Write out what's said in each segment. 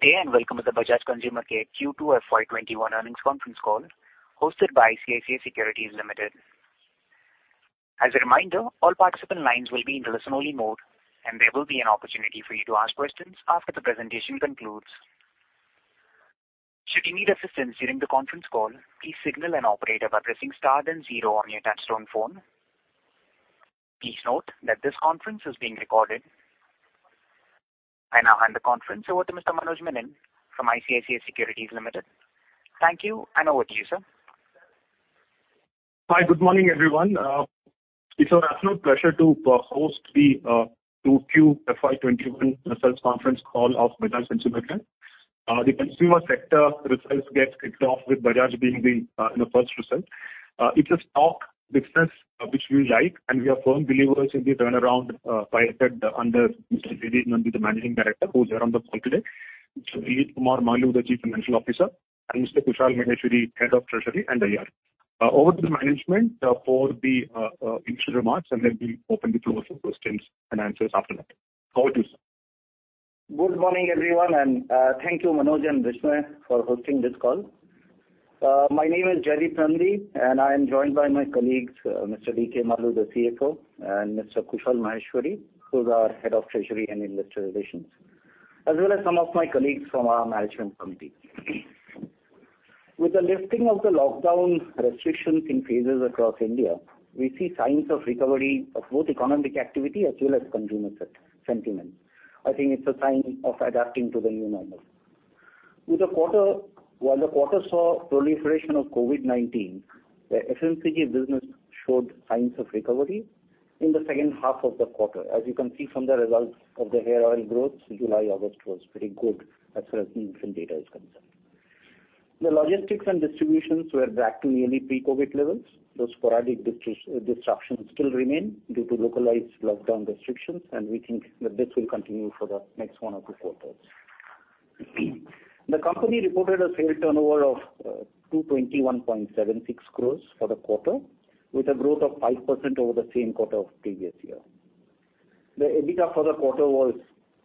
Good day, and welcome to the Bajaj Consumer Care Q2 FY 2021 earnings conference call hosted by ICICI Securities Limited. As a reminder, all participant lines will be in the listen-only mode, and there will be an opportunity for you to ask questions after the presentation concludes. Should you need assistance during the conference call, please signal an operator by pressing star then zero on your touchtone phone. Please note that this conference is being recorded. I now hand the conference over to Mr. Manoj Menon from ICICI Securities Limited. Thank you, and over to you, sir. Hi. Good morning, everyone. It's our absolute pleasure to host the Q2 FY 2021 results conference call of Bajaj Consumer Care. The consumer sector results get kicked off with Bajaj being the first result. It's a stock business which we like, and we are firm believers in the turnaround piloted under Mr. Jaideep Nandi, the Managing Director, who's here on the call today. Mr. D.K. Maloo, the Chief Financial Officer, and Mr. Kushal Maheshwari, Head of Treasury and IR. Over to the management for the initial remarks, and then we'll open the floor for questions and answers after that. Over to you, sir. Good morning, everyone, and thank you, Manoj and Vishnu, for hosting this call. My name is Jaideep Nandi, and I am joined by my colleagues, Mr. D.K. Maloo, the CFO, and Mr. Kushal Maheshwari, who's our head of treasury and investor relations, as well as some of my colleagues from our management committee. With the lifting of the lockdown restrictions in phases across India, we see signs of recovery of both economic activity as well as consumer sentiment. I think it's a sign of adapting to the new normal. While the quarter saw proliferation of COVID-19, the FMCG business showed signs of recovery in the second half of the quarter. As you can see from the results of the hair oil growth, July, August was pretty good as far as Nielsen data is concerned. The logistics and distributions were back to nearly pre-COVID levels. Those sporadic disruptions still remain due to localized lockdown restrictions. We think that this will continue for the next one or two quarters. The company reported a sales turnover of 221.76 crores for the quarter, with a growth of 5% over the same quarter of previous year. The EBITDA for the quarter was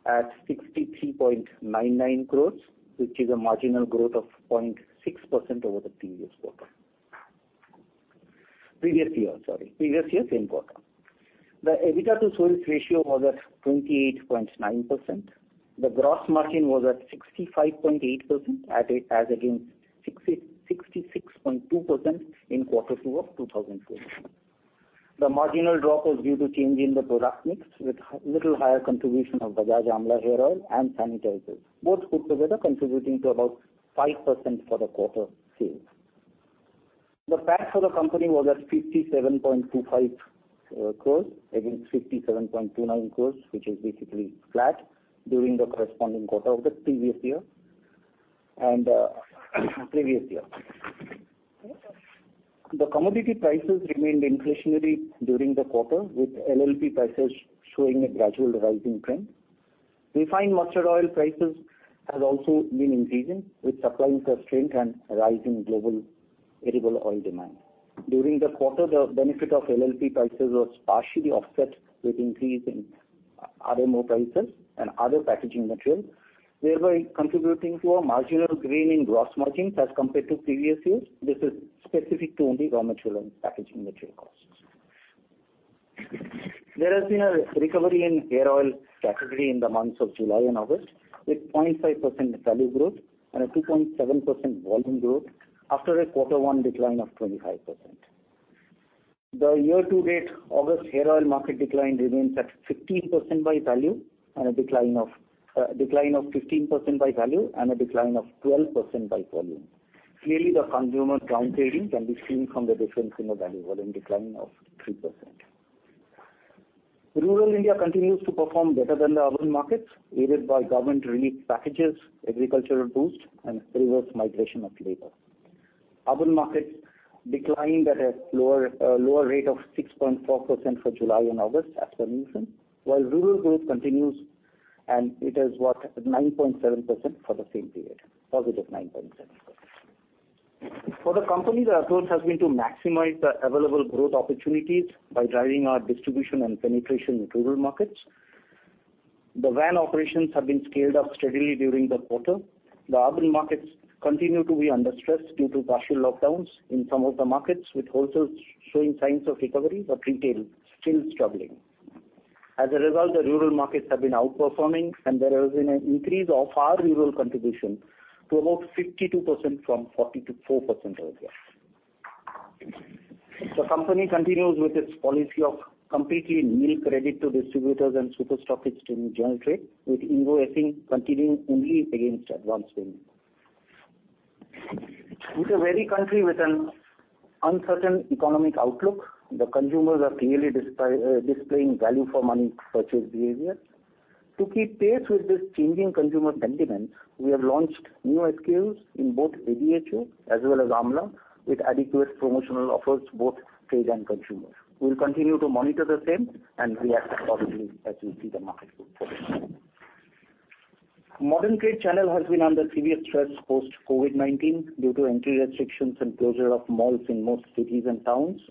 at 63.99 crores, which is a marginal growth of 0.6% over the previous quarter. Previous year, sorry. Previous year, same quarter. The EBITDA to sales ratio was at 28.9%. The gross margin was at 65.8% as against 66.2% in quarter two of 2020. The marginal drop was due to change in the product mix, with little higher contribution of Bajaj Amla Hair Oil and Sanitizers, both put together contributing to about 5% for the quarter sales. The PAT for the company was at 57.25 crores against 57.29 crores, which is basically flat during the corresponding quarter of the previous year. The commodity prices remained inflationary during the quarter, with LLP prices showing a gradual rising trend. Refined mustard oil prices have also been increasing, with supply constraint and rise in global edible oil demand. During the quarter, the benefit of LLP prices was partially offset with increase in RMO prices and other packaging material, thereby contributing to a marginal gain in gross margins as compared to previous years. This is specific to only raw material and packaging material costs. There has been a recovery in hair oil category in the months of July and August, with 0.5% value growth and a 2.7% volume growth after a Q1 decline of 25%. The year-to-date August hair oil market decline remains a decline of 15% by value and a decline of 12% by volume. Clearly, the consumer downgrading can be seen from the difference in the value volume decline of 3%. Rural India continues to perform better than the urban markets, aided by government relief packages, agricultural boost, and reverse migration of labor. Urban markets declined at a lower rate of 6.4% for July and August as per Nielsen, while rural growth continues, and it is worth 9.7% for the same period. Positive 9.7%. For the company, the approach has been to maximize the available growth opportunities by driving our distribution and penetration into rural markets. The van operations have been scaled up steadily during the quarter. The urban markets continue to be under stress due to partial lockdowns in some of the markets, with wholesale showing signs of recovery, but retail still struggling. As a result, the rural markets have been outperforming, and there has been an increase of our rural contribution to about 52% from 44% earlier. The company continues with its policy of completely nil credit to distributors and super stockist upstream general trade, with invoicing continuing only against advanced payment. It's a wary country with an uncertain economic outlook. The consumers are clearly displaying value-for-money purchase behavior. To keep pace with this changing consumer sentiment, we have launched new SKUs in both ADHO as well as Amla, with adequate promotional offers to both trade and consumer. We'll continue to monitor the same and react appropriately as we see the market move forward. Modern trade channel has been under severe stress post-COVID-19 due to entry restrictions and closure of malls in most cities and towns.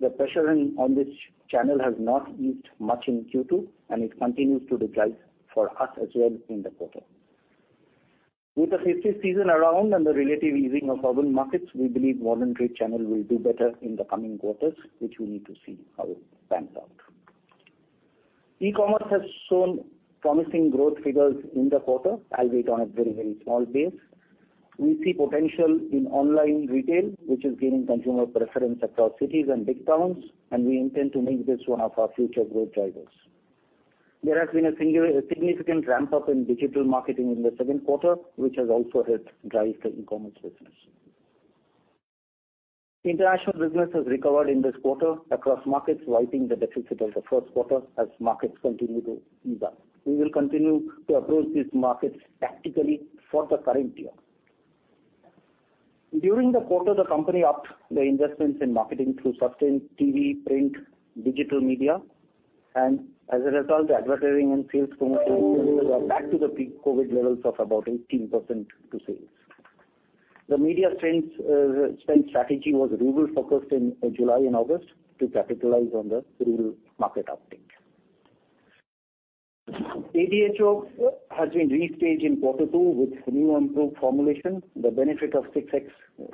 The pressure on this channel has not eased much in Q2. It continues to decline for us as well in the quarter. With the festive season around and the relative easing of urban markets, we believe mordern trade channel will do better in the coming quarters, which we need to see how it pans out. E-commerce has shown promising growth figures in the quarter, albeit on a very small base. We see potential in online retail, which is gaining consumer preference across cities and big towns, and we intend to make this one of our future growth drivers. There has been a significant ramp-up in digital marketing in the second quarter, which has also helped drive the e-commerce business. International business has recovered in this quarter across markets, wiping the deficit of the first quarter as markets continue to ease up. We will continue to approach these markets tactically for the current year. During the quarter, the company upped the investments in marketing through sustained TV, print, digital media, and as a result, the advertising and sales promotions are back to the pre-COVID-19 levels of about 18% to sales. The media spend strategy was rural-focused in July and August to capitalize on the rural market uptick. ADHO has been restaged in quarter two with new improved formulation, the benefit of 6X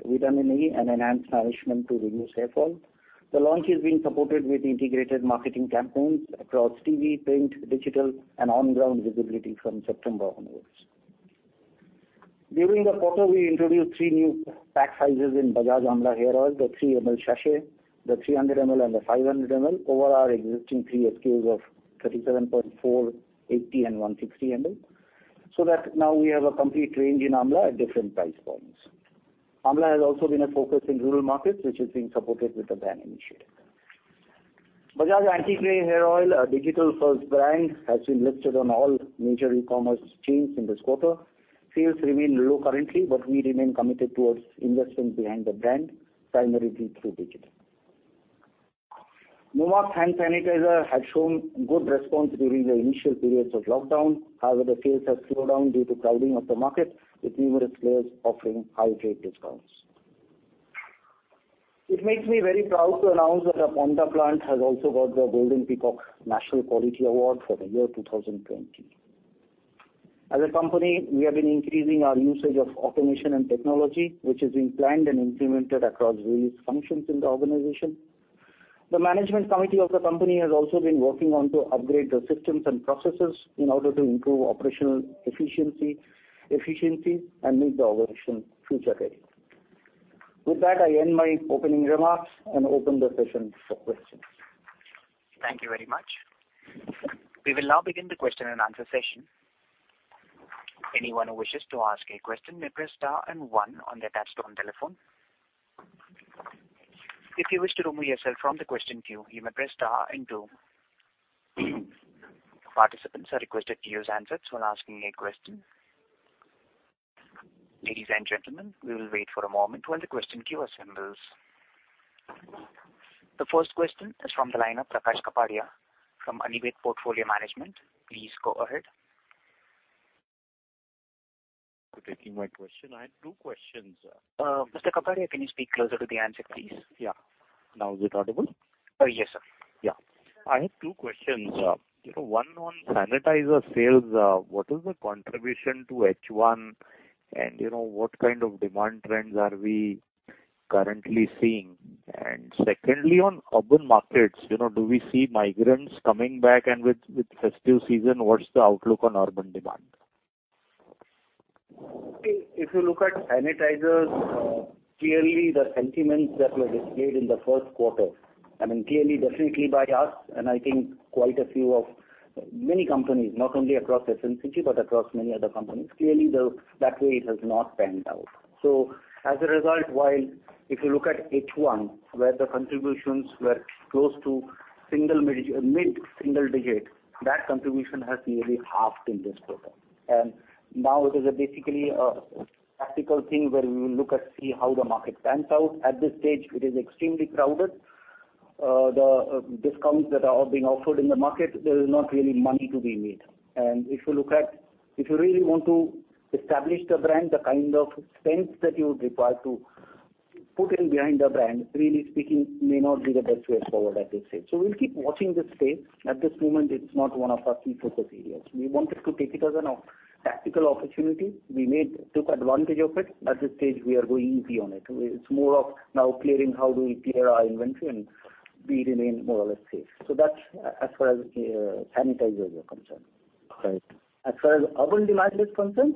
vitamin E and enhanced nourishment to reduce hair fall. The launch is being supported with integrated marketing campaigns across TV, print, digital and on-ground visibility from September onwards. During the quarter, we introduced three new pack sizes in Bajaj Amla Hair Oil, the 3 ml sachet, the 300 ml and the 500 ml over our existing three SKUs of 37.4, 80 and 160 ml, so that now we have a complete range in Amla at different price points. Amla has also been a focus in rural markets, which is being supported with the VAN initiative. Bajaj Anti-Grey Hair Oil, a digital-first brand, has been listed on all major e-commerce chains in this quarter. Sales remain low currently. We remain committed towards investing behind the brand, primarily through digital. Nomarks hand sanitizer has shown good response during the initial periods of lockdown. The sales have slowed down due to crowding of the market, with numerous players offering high trade discounts. It makes me very proud to announce that the Ponda plant has also got the Golden Peacock National Quality Award for the year 2020. As a company, we have been increasing our usage of automation and technology, which is being planned and implemented across various functions in the organization. The management committee of the company has also been working on to upgrade the systems and processes in order to improve operational efficiency and make the organization future-ready. With that, I end my opening remarks and open the session for questions. Thank you very much. We will now begin the question and answer session. Anyone who wishes to ask a question may press star and one on their touchtone telephone. If you wish to remove yourself from the question queue, you may press star and two. Participants are requested to use handsets when asking a question. Ladies and gentlemen, we will wait for a moment while the question queue assembles. The first question is from the line of Prakash Kapadia from Anived Portfolio Managers. Please go ahead. Thank you for taking my question. I have two questions. Mr. Kapadia, can you speak closer to the handset, please? Yeah. Now is it audible? Yes, sir. Yeah. I have two questions. One on sanitizer sales. What is the contribution to H1 and what kind of demand trends are we currently seeing? Secondly, on urban markets, do we see migrants coming back and with festive season, what's the outlook on urban demand? If you look at sanitizers, clearly the sentiments that were displayed in the first quarter, clearly, definitely by us and I think quite a few of many companies, not only across FMCG, but across many other companies. Clearly, that way it has not panned out. As a result, while if you look at H1, where the contributions were close to mid-single digit, that contribution has nearly halved in this quarter. Now it is basically a tactical thing where we will look and see how the market pans out. At this stage, it is extremely crowded. The discounts that are being offered in the market, there is not really money to be made. If you really want to establish the brand, the kind of spends that you would require to put in behind the brand, really speaking, may not be the best way forward at this stage. We'll keep watching this space. At this moment, it's not one of our key focus areas. We wanted to take it as a tactical opportunity. We took advantage of it. At this stage, we are going easy on it. It's more of now clearing how do we clear our inventory and we remain more or less safe. That's as far as sanitizers are concerned. Right. As far as urban demand is concerned,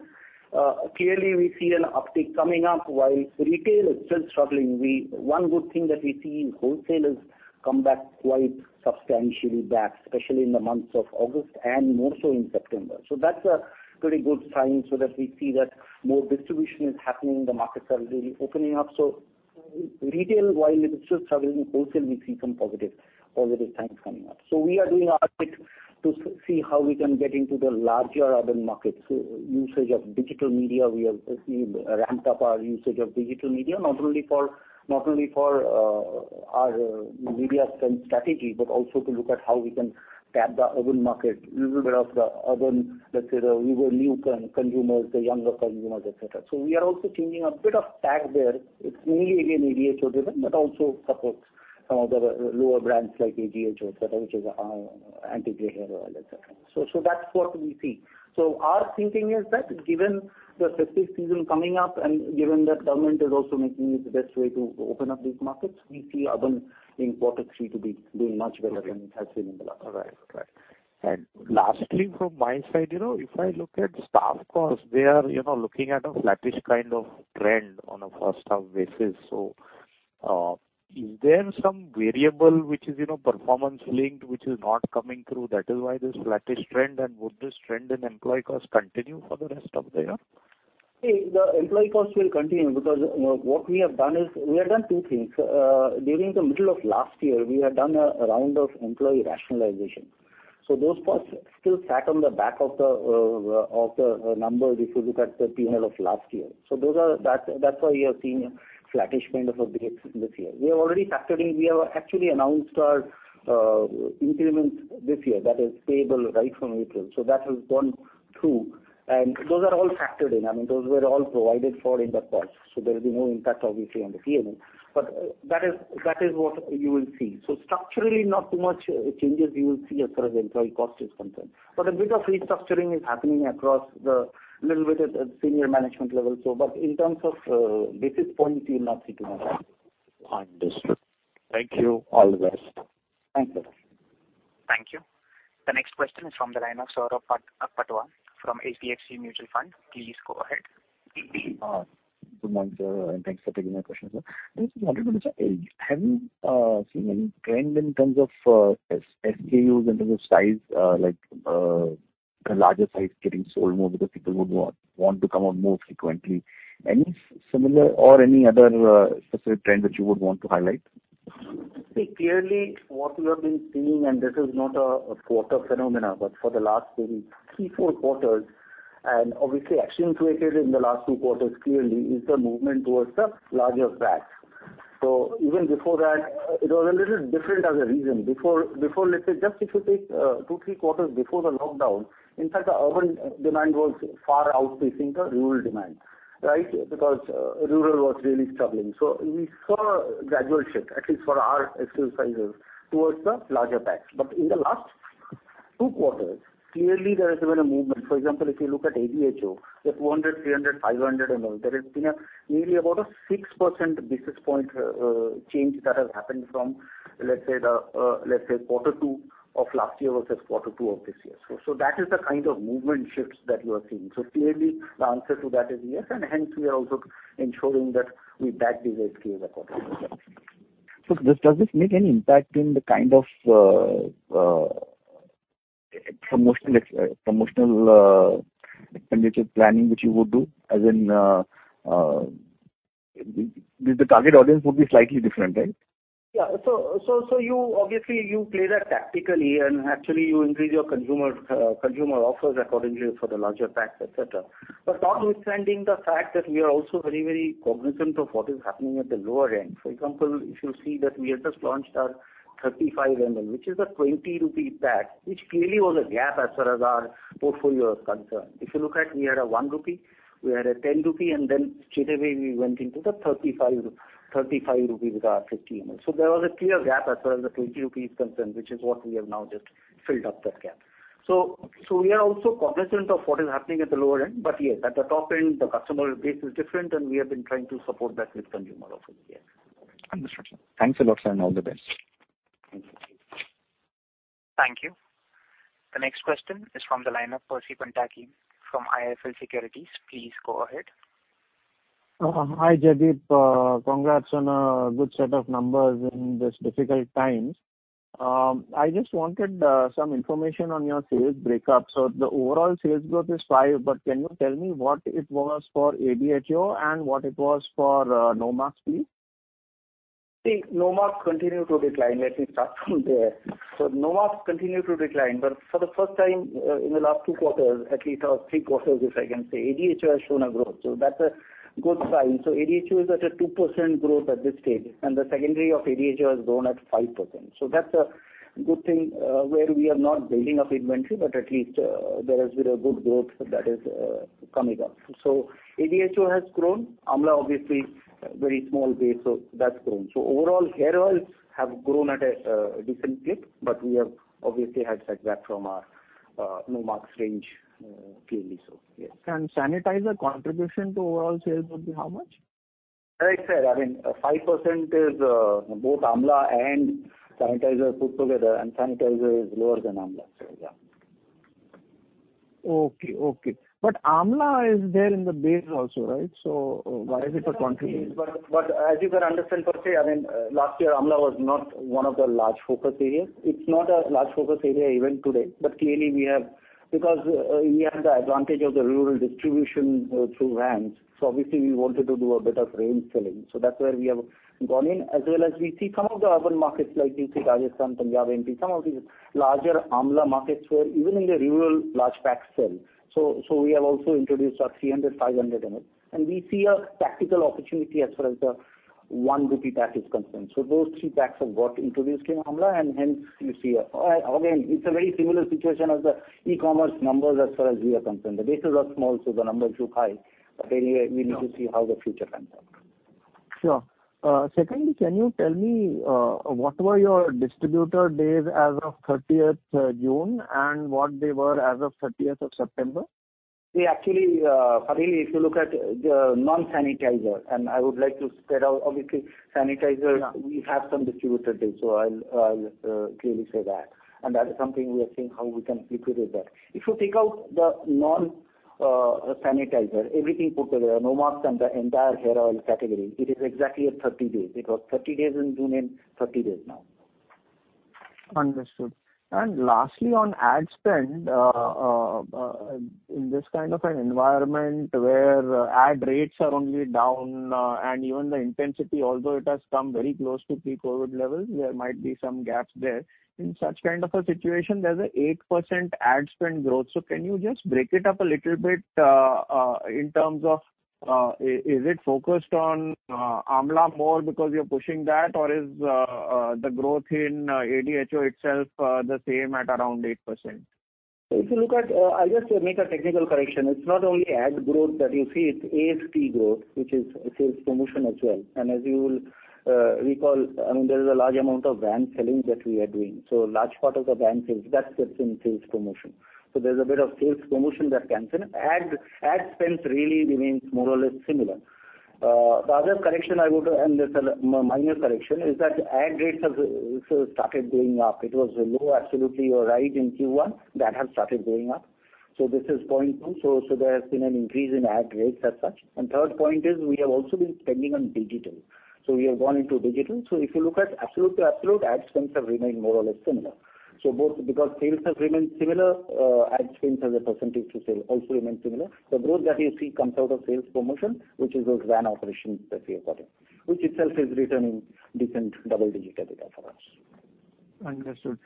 clearly we see an uptick coming up. While retail is still struggling, one good thing that we see in wholesale is come back quite substantially back, especially in the months of August and more so in September. That's a pretty good sign so that we see that more distribution is happening, the markets are really opening up. Retail, while it is still struggling, wholesale we see some positive early signs coming up. We are doing our bit to see how we can get into the larger urban markets. We have ramped up our usage of digital media, not only for our media spend strategy, but also to look at how we can tap the urban market, even where the urban, let's say, the newer, new consumers, the younger consumers, et cetera. We are also changing a bit of tack there. It's mainly, again, ADHO driven, but also supports some of the lower brands like ADHO, et cetera, which is our anti-dandruff hair oil, et cetera. That's what we see. Our thinking is that given the festive season coming up and given that government is also making it the best way to open up these markets, we see urban in quarter three to be doing much better than it has been in the last quarter. Right. Lastly, from my side, if I look at staff costs, they are looking at a flattish kind of trend on a first half basis. Is there some variable which is performance linked, which is not coming through, that is why this flattish trend? Would this trend in employee cost continue for the rest of the year? The employee cost will continue because what we have done is, we have done two things. During the middle of last year, we had done a round of employee rationalization. Those costs still sat on the back of the number, if you look at the P&L of last year. That's why you have seen a flattish trend of a base this year. We have already factored in. We have actually announced our increments this year that is payable right from April. That has gone through, and those are all factored in. I mean, those were all provided for in the costs. There will be no impact, obviously, on the P&L. That is what you will see. Structurally, not too much changes you will see as far as employee cost is concerned. A bit of restructuring is happening across the little bit at senior management level. In terms of basis points, you will not see too much. Understood. Thank you. All the best. Thank you. Thank you. The next question is from the line of Saurabh Patwa from HDFC Mutual Fund. Please go ahead. Good morning, sir, thanks for taking my question, sir. I was just wondering, have you seen any trend in terms of SKUs in terms of size, like the larger size getting sold more because people would want to come out more frequently? Any similar or any other specific trend that you would want to highlight? See, clearly what we have been seeing, and this is not a quarter phenomena, but for the last maybe three, four quarters, and obviously accentuated in the last two quarters clearly, is the movement towards the larger packs. Even before that, it was a little different as a region. Before, let's say just if you take two, three quarters before the lockdown, in fact, the urban demand was far outpacing the rural demand, right? Because rural was really struggling. We saw a gradual shift, at least for our SKUs sizes towards the larger packs. In the last two quarters, clearly there has been a movement. For example, if you look at ADHO, the 200 ml, 300 ml, 500 ml, there has been a nearly about a 6% basis point change that has happened from, let's say quarter two of last year versus quarter two of this year. That is the kind of movement shifts that you are seeing. Clearly the answer to that is yes, hence we are also ensuring that we back these SKUs accordingly. Does this make any impact in the kind of promotional expenditure planning which you would do, as in, the target audience would be slightly different, right? Yeah. Obviously you play that tactically and actually you increase your consumer offers accordingly for the larger packs, et cetera. Notwithstanding the fact that we are also very, very cognizant of what is happening at the lower end. For example, if you see that we have just launched our 35 ml, which is a 20 rupee pack, which clearly was a gap as far as our portfolio is concerned. If you look at, we had a 1 rupee, we had a 10 rupee, and then straightaway we went into the 35 rupee with our 50 ml. There was a clear gap as far as the 20 rupees is concerned, which is what we have now just filled up that gap. We are also cognizant of what is happening at the lower end, but yes, at the top end, the customer base is different and we have been trying to support that with consumer offers, yes. Understood, sir. Thanks a lot, sir, and all the best. Thank you. Thank you. The next question is from the line of Percy Panthaki from IIFL Securities. Please go ahead. Hi, Jaideep. Congrats on a good set of numbers in this difficult times. I just wanted some information on your sales breakup. The overall sales growth is 5%, but can you tell me what it was for ADHO and what it was for Nomarks please? Nomarks continued to decline. Let me start from there. Nomarks continued to decline, but for the first time in the last two quarters, at least, or three quarters, if I can say, ADHO has shown a growth. That's a good sign. ADHO is at a 2% growth at this stage, and the secondary of ADHO has grown at 5%. That's a good thing, where we are not building up inventory, but at least there has been a good growth that is coming up. ADHO has grown. Amla, obviously, very small base, that's grown. Overall, hair oils have grown at a decent clip, but we have obviously had setback from our Nomarks range clearly so, yes. Sanitizer contribution to overall sales would be how much? Like I said, 5% is both Amla and Sanitizer put together, and Sanitizer is lower than Amla. Okay. Amla is there in the base also, right? Why is it a contribution? As you can understand, Percy, last year Amla was not one of the large focus areas. It's not a large focus area even today. Clearly, because we had the advantage of the rural distribution through vans, obviously we wanted to do a bit of range selling. That's where we have gone in as well as we see some of the urban markets like you see Rajasthan, Punjab, MP, some of these larger Amla markets where even in the rural large packs sell. We have also introduced our 300 ml, 500 ml, and we see a tactical opportunity as far as the 1 rupee pack is concerned. Those three packs have got introduced in Amla and hence you see Again, it's a very similar situation as the e-commerce numbers as far as we are concerned. The bases are small, so the numbers look high. Anyway, we need to see how the future pans out. Sure. Can you tell me what were your distributor days as of 30th June and what they were as of 30th of September? Actually, if you look at the non-sanitizer, and I would like to spread out, obviously, sanitizer, we have some distributor days, so I'll clearly say that. That is something we are seeing how we can liquidate that. If you take out the non-sanitizer, everything put together, Nomarks and the entire hair oil category, it is exactly at 30 days. It was 30 days in June and 30 days now. Understood. Lastly, on ad spend, in this kind of an environment where ad rates are only down and even the intensity, although it has come very close to pre-COVID levels, there might be some gaps there. In such kind of a situation, there's 8% ad spend growth. Can you just break it up a little bit in terms of, is it focused on Amla more because you're pushing that or is the growth in ADHO itself the same at around 8%? I'll just make a technical correction. It's not only ASP growth that you see, it's ASP growth, which is sales promotion as well. As you will recall, there is a large amount of brand selling that we are doing. Large part of the brand sales, that sits in sales promotion. There's a bit of sales promotion that comes in. Ad spend really remains more or less similar. The other correction I would, and it's a minor correction, is that ad rates have started going up. It was low, absolutely, you are right in Q1. That has started going up. This is point two. There has been an increase in ad rates as such. Third point is we have also been spending on digital. We have gone into digital. If you look at absolute to absolute, ad spends have remained more or less similar. Both because sales have remained similar, ad spends as a percentage to sale also remain similar. The growth that you see comes out of sales promotion, which is those VAN operations that we have got in, which itself is returning decent double-digit EBITDA for us. Understood.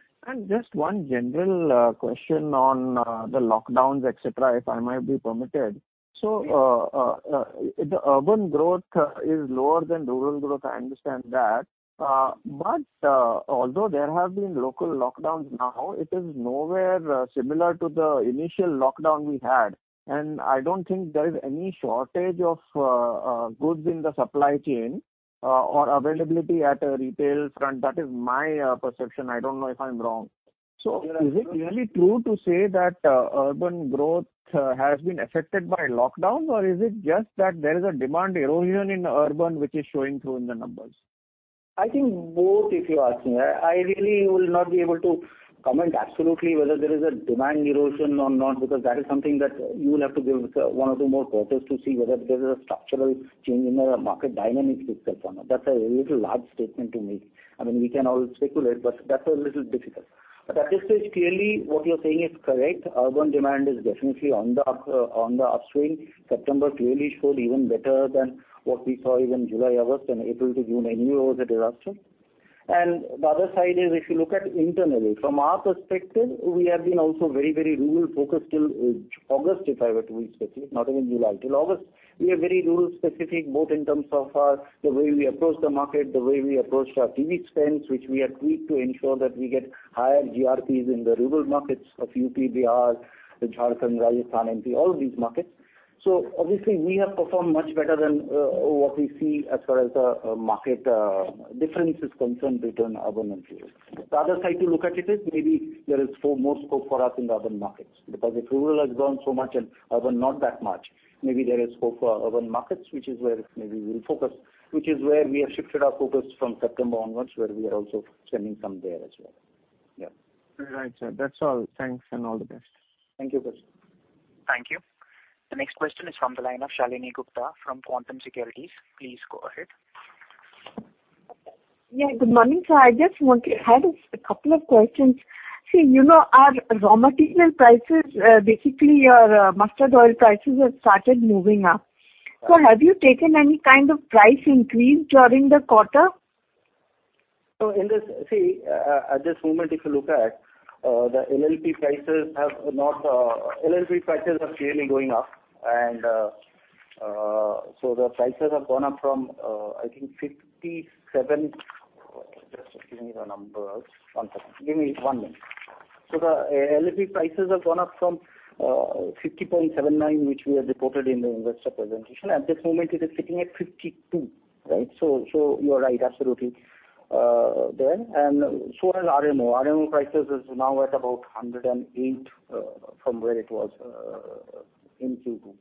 Just one general question on the lockdowns, et cetera, if I might be permitted. Please. The urban growth is lower than rural growth, I understand that. Although there have been local lockdowns now, it is nowhere similar to the initial lockdown we had, and I don't think there is any shortage of goods in the supply chain or availability at a retail front. That is my perception. I don't know if I'm wrong. Is it really true to say that urban growth has been affected by lockdowns, or is it just that there is a demand erosion in urban, which is showing through in the numbers? I think both, if you ask me. I really will not be able to comment absolutely whether there is a demand erosion or not, because that is something that you will have to give one or two more quarters to see whether there is a structural change in the market dynamics itself or not. That's a little large statement to make. We can all speculate, but that's a little difficult. At this stage, clearly what you're saying is correct. Urban demand is definitely on the upswing. September clearly showed even better than what we saw even July, August, and April to June, anyway, was a disaster. The other side is if you look at internally, from our perspective, we have been also very rural-focused till August, if I were to be specific, not even July, till August. We are very rural specific, both in terms of the way we approach the market, the way we approached our TV spends, which we have tweaked to ensure that we get higher GRPs in the rural markets of UP, Bihar, Jharkhand, Rajasthan, MP, all of these markets. Obviously, we have performed much better than what we see as far as the market difference is concerned between urban and rural. The other side to look at it is maybe there is more scope for us in the urban markets, because if rural has grown so much and urban not that much, maybe there is scope for urban markets, which is where maybe we'll focus, which is where we have shifted our focus from September onwards, where we are also spending some there as well. Right, sir. That's all. Thanks, and all the best. Thank you, Percy. Thank you. The next question is from the line of Shalini Gupta from Quantum Securities. Please go ahead. Yeah, good morning, sir. I just had a couple of questions. Our raw material prices, basically, our mustard oil prices have started moving up. Have you taken any kind of price increase during the quarter? At this moment, if you look at the LLP prices have clearly going up, the prices have gone up from, I think 57 Just give me the numbers. One second. Give me one minute. The LLP prices have gone up from 50.79, which we have reported in the investor presentation. At this moment, it is sitting at 52, right? You are right, absolutely, there as RMO. RMO prices is now at about 108 from where it was in Q2.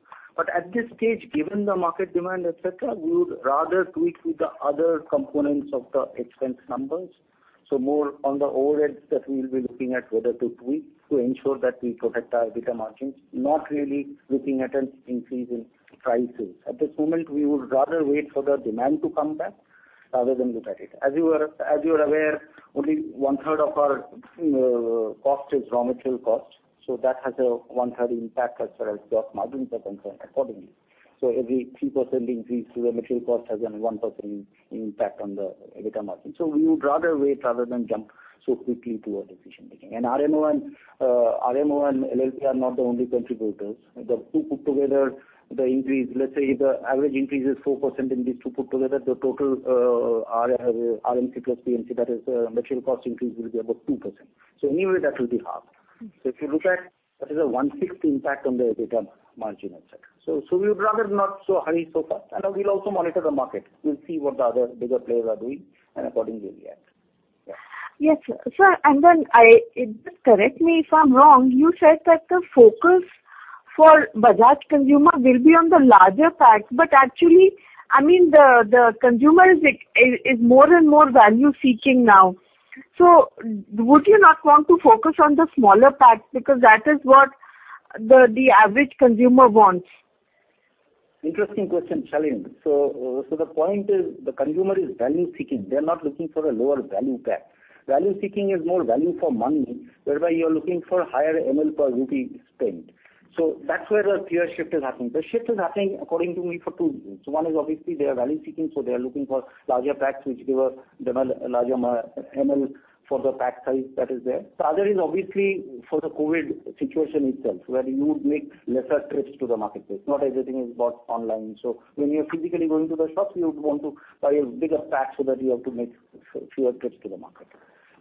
At this stage, given the market demand, et cetera, we would rather tweak with the other components of the expense numbers. More on the overheads that we will be looking at whether to tweak to ensure that we protect our EBITDA margins, not really looking at an increase in prices. At this moment, we would rather wait for the demand to come back rather than look at it. As you are aware, only 1/3 of our cost is raw material cost, that has a 1/3 impact as far as gross margins are concerned, accordingly. Every 3% increase to the material cost has an 1% impact on the EBITDA margin. We would rather wait rather than jump so quickly to our decision-making. RMO and LLP are not the only contributors. The two put together, the increase, let's say, the average increase is 4% in these two put together, the total RMC plus PMC, that is material cost increase, will be about 2%. Anyway, that will be half. If you look at, that is a 1/6 impact on the EBITDA margin, et cetera. We would rather not so hurry so fast, and we'll also monitor the market. We'll see what the other bigger players are doing and accordingly react. Yes, sir. Correct me if I'm wrong, you said that the focus for Bajaj Consumer will be on the larger packs, but actually, the consumer is more and more value-seeking now. Would you not want to focus on the smaller packs because that is what the average consumer wants? Interesting question, Shalini. The point is the consumer is value-seeking. They're not looking for a lower value pack. Value-seeking is more value for money, whereby you're looking for higher ml per rupee spent. That's where the clear shift is happening. The shift is happening, according to me, for two reasons. One is obviously they are value-seeking, so they are looking for larger packs which give a larger ml for the pack size that is there. The other is obviously for the COVID situation itself, where you would make lesser trips to the marketplace. Not everything is bought online. When you're physically going to the shops, you would want to buy a bigger pack so that you have to make fewer trips to the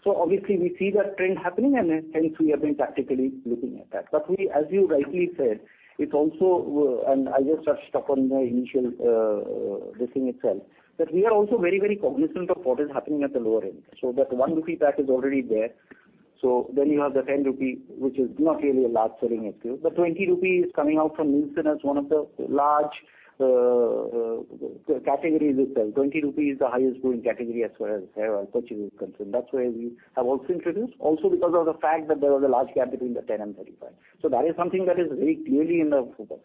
market. Obviously we see that trend happening and hence we have been tactically looking at that. As you rightly said, it's also, and I just touched upon the initial listing itself, that we are also very cognizant of what is happening at the lower end. That 1 rupee pack is already there. You have the 10 rupee, which is not really a large selling SKU. The 20 rupee is coming out from Nielsen as one of the large categories itself. 20 rupee is the highest growing category as far as hair oil purchase is concerned. That is why we have also introduced, also because of the fact that there was a large gap between the 10 and 35. That is something that is very clearly in our focus.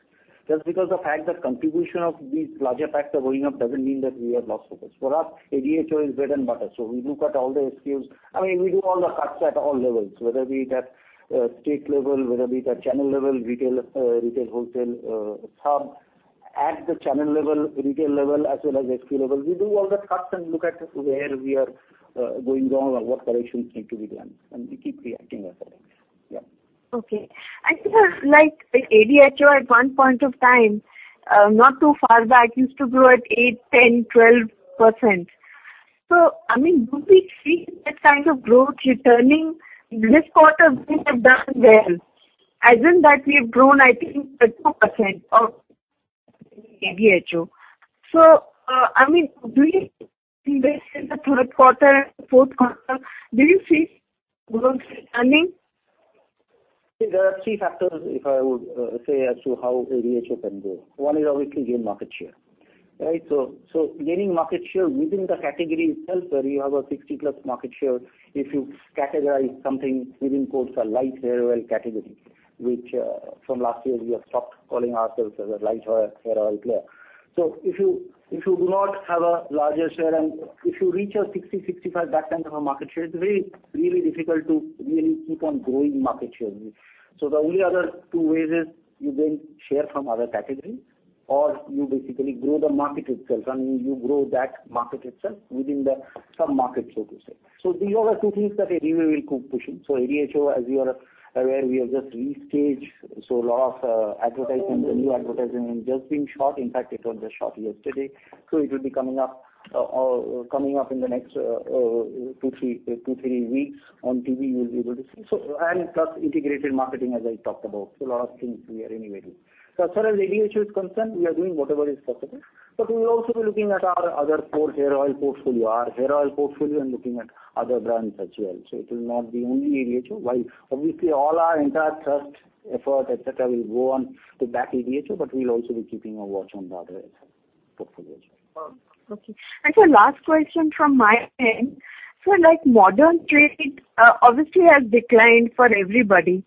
Just because the fact that contribution of these larger packs are going up doesn't mean that we have lost focus. For us, ADHO is bread and butter. We look at all the SKUs. We do all the cuts at all levels, whether be it at state level, whether be it at channel level, retail, wholesale, at the channel level, retail level, as well as SKU level. We do all the cuts and look at where we are going wrong or what corrections need to be done, and we keep reacting accordingly. Yeah. Okay. Sir, like ADHO at one point of time, not too far back, used to grow at 8%, 10%, 12%. Do we see that kind of growth returning this quarter? Things have done well as in that we've grown, I think, 32% of ADHO. Do you think that in the third quarter and fourth quarter, do you see growth returning? There are three factors, if I would say as to how ADHO can grow. One is obviously gain market share. Gaining market share within the category itself, where you have a 60% plus market share, if you categorize something within quotes, a light hair oil category, which from last year we have stopped calling ourselves a light hair oil player. If you do not have a larger share and if you reach a 60%, 65%, that kind of a market share, it's very really difficult to really keep on growing market share. The only other two ways is you gain share from other categories, or you basically grow the market itself, and you grow that market itself within the sub-market, so to say. These are the two things that anyway we'll keep pushing. ADHO, as you are aware, we have just re-staged. A lot of advertisements, the new advertisement has just been shot. In fact, it was just shot yesterday. It will be coming up in the next two, three weeks on TV, you'll be able to see. Plus integrated marketing, as I talked about. A lot of things we are anyway doing. As far as ADHO is concerned, we are doing whatever is possible, but we will also be looking at our other hair oil portfolio, our hair oil portfolio and looking at other brands as well. It will not be only ADHO. While obviously all our entire thrust, effort, et cetera, will go on to back ADHO, but we'll also be keeping a watch on the other portfolio as well. Okay. Sir, last question from my end. Sir, like modern trade obviously has declined for everybody.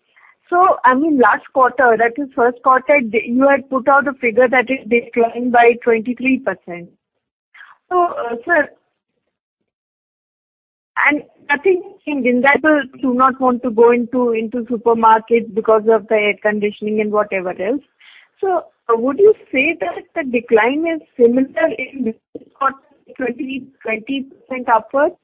Last quarter, that is first quarter, you had put out a figure that it declined by 23%. Sir, I think Indians do not want to go into supermarkets because of the air conditioning and whatever else. Would you say that the decline is similar in this quarter, 20% upwards?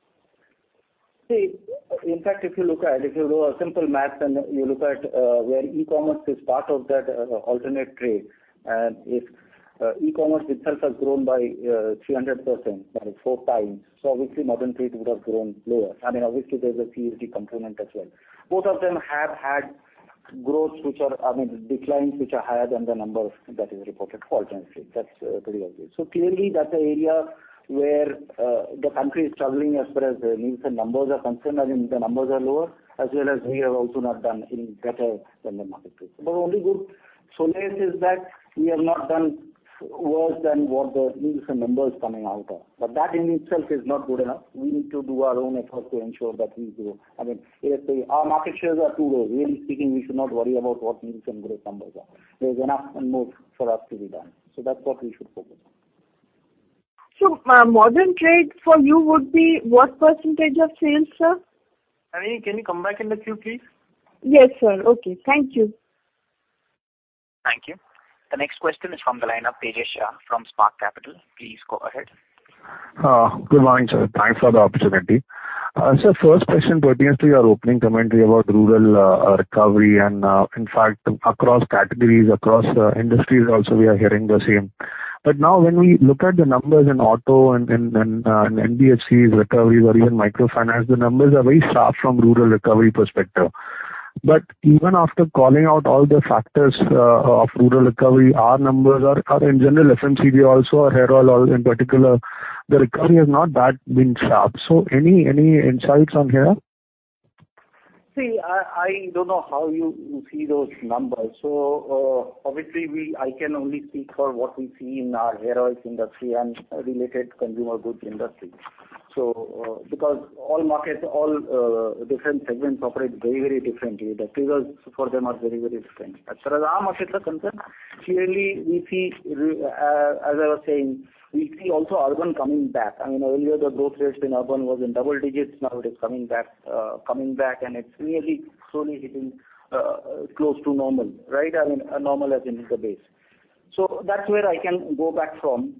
In fact, if you do a simple math and you look at where e-commerce is part of that alternate trade, and if e-commerce itself has grown by 300%, that is four times, obviously modern trade would have grown lower. Obviously, there's a CSD component as well. Both of them have had declines which are higher than the number that is reported for modern trade. That's pretty obvious. Clearly that's an area where the country is struggling as far as Nielsen numbers are concerned. The numbers are lower, as well as we have also not done any better than the market rate. The only good solace is that we have not done worse than what the Nielsen numbers coming out are. That in itself is not good enough. We need to do our own effort to ensure that we grow. Our market shares are too low. Really speaking, we should not worry about what Nielsen growth numbers are. There's enough and more for us to be done. That's what we should focus on. Modern trade for you would be what percentage of sales, sir? Shalini, can you come back in the queue, please? Yes, sir. Okay. Thank you. Thank you. The next question is from the line of Tejas Shah from Spark Capital. Please go ahead. Good morning, sir. Thanks for the opportunity. Sir, first question pertains to your opening commentary about rural recovery. Across categories, across industries also we are hearing the same. Now when we look at the numbers in auto and NBFCs recovery or even microfinance, the numbers are very sharp from rural recovery perspective. Even after calling out all the factors of rural recovery, our numbers are in general FMCG also, or Hair Oil in particular, the recovery has not that been sharp. Any insights on here? See, I don't know how you see those numbers. Obviously I can only speak for what we see in our hair oil industry and related consumer goods industry. Because all markets, all different segments operate very differently. The triggers for them are very different. As far as our market is concerned, clearly, as I was saying, we see also urban coming back. Earlier, the growth rates in urban was in double digits, now it is coming back, and it's nearly slowly hitting close to normal. I mean, normal as in the base. That's where I can go back from.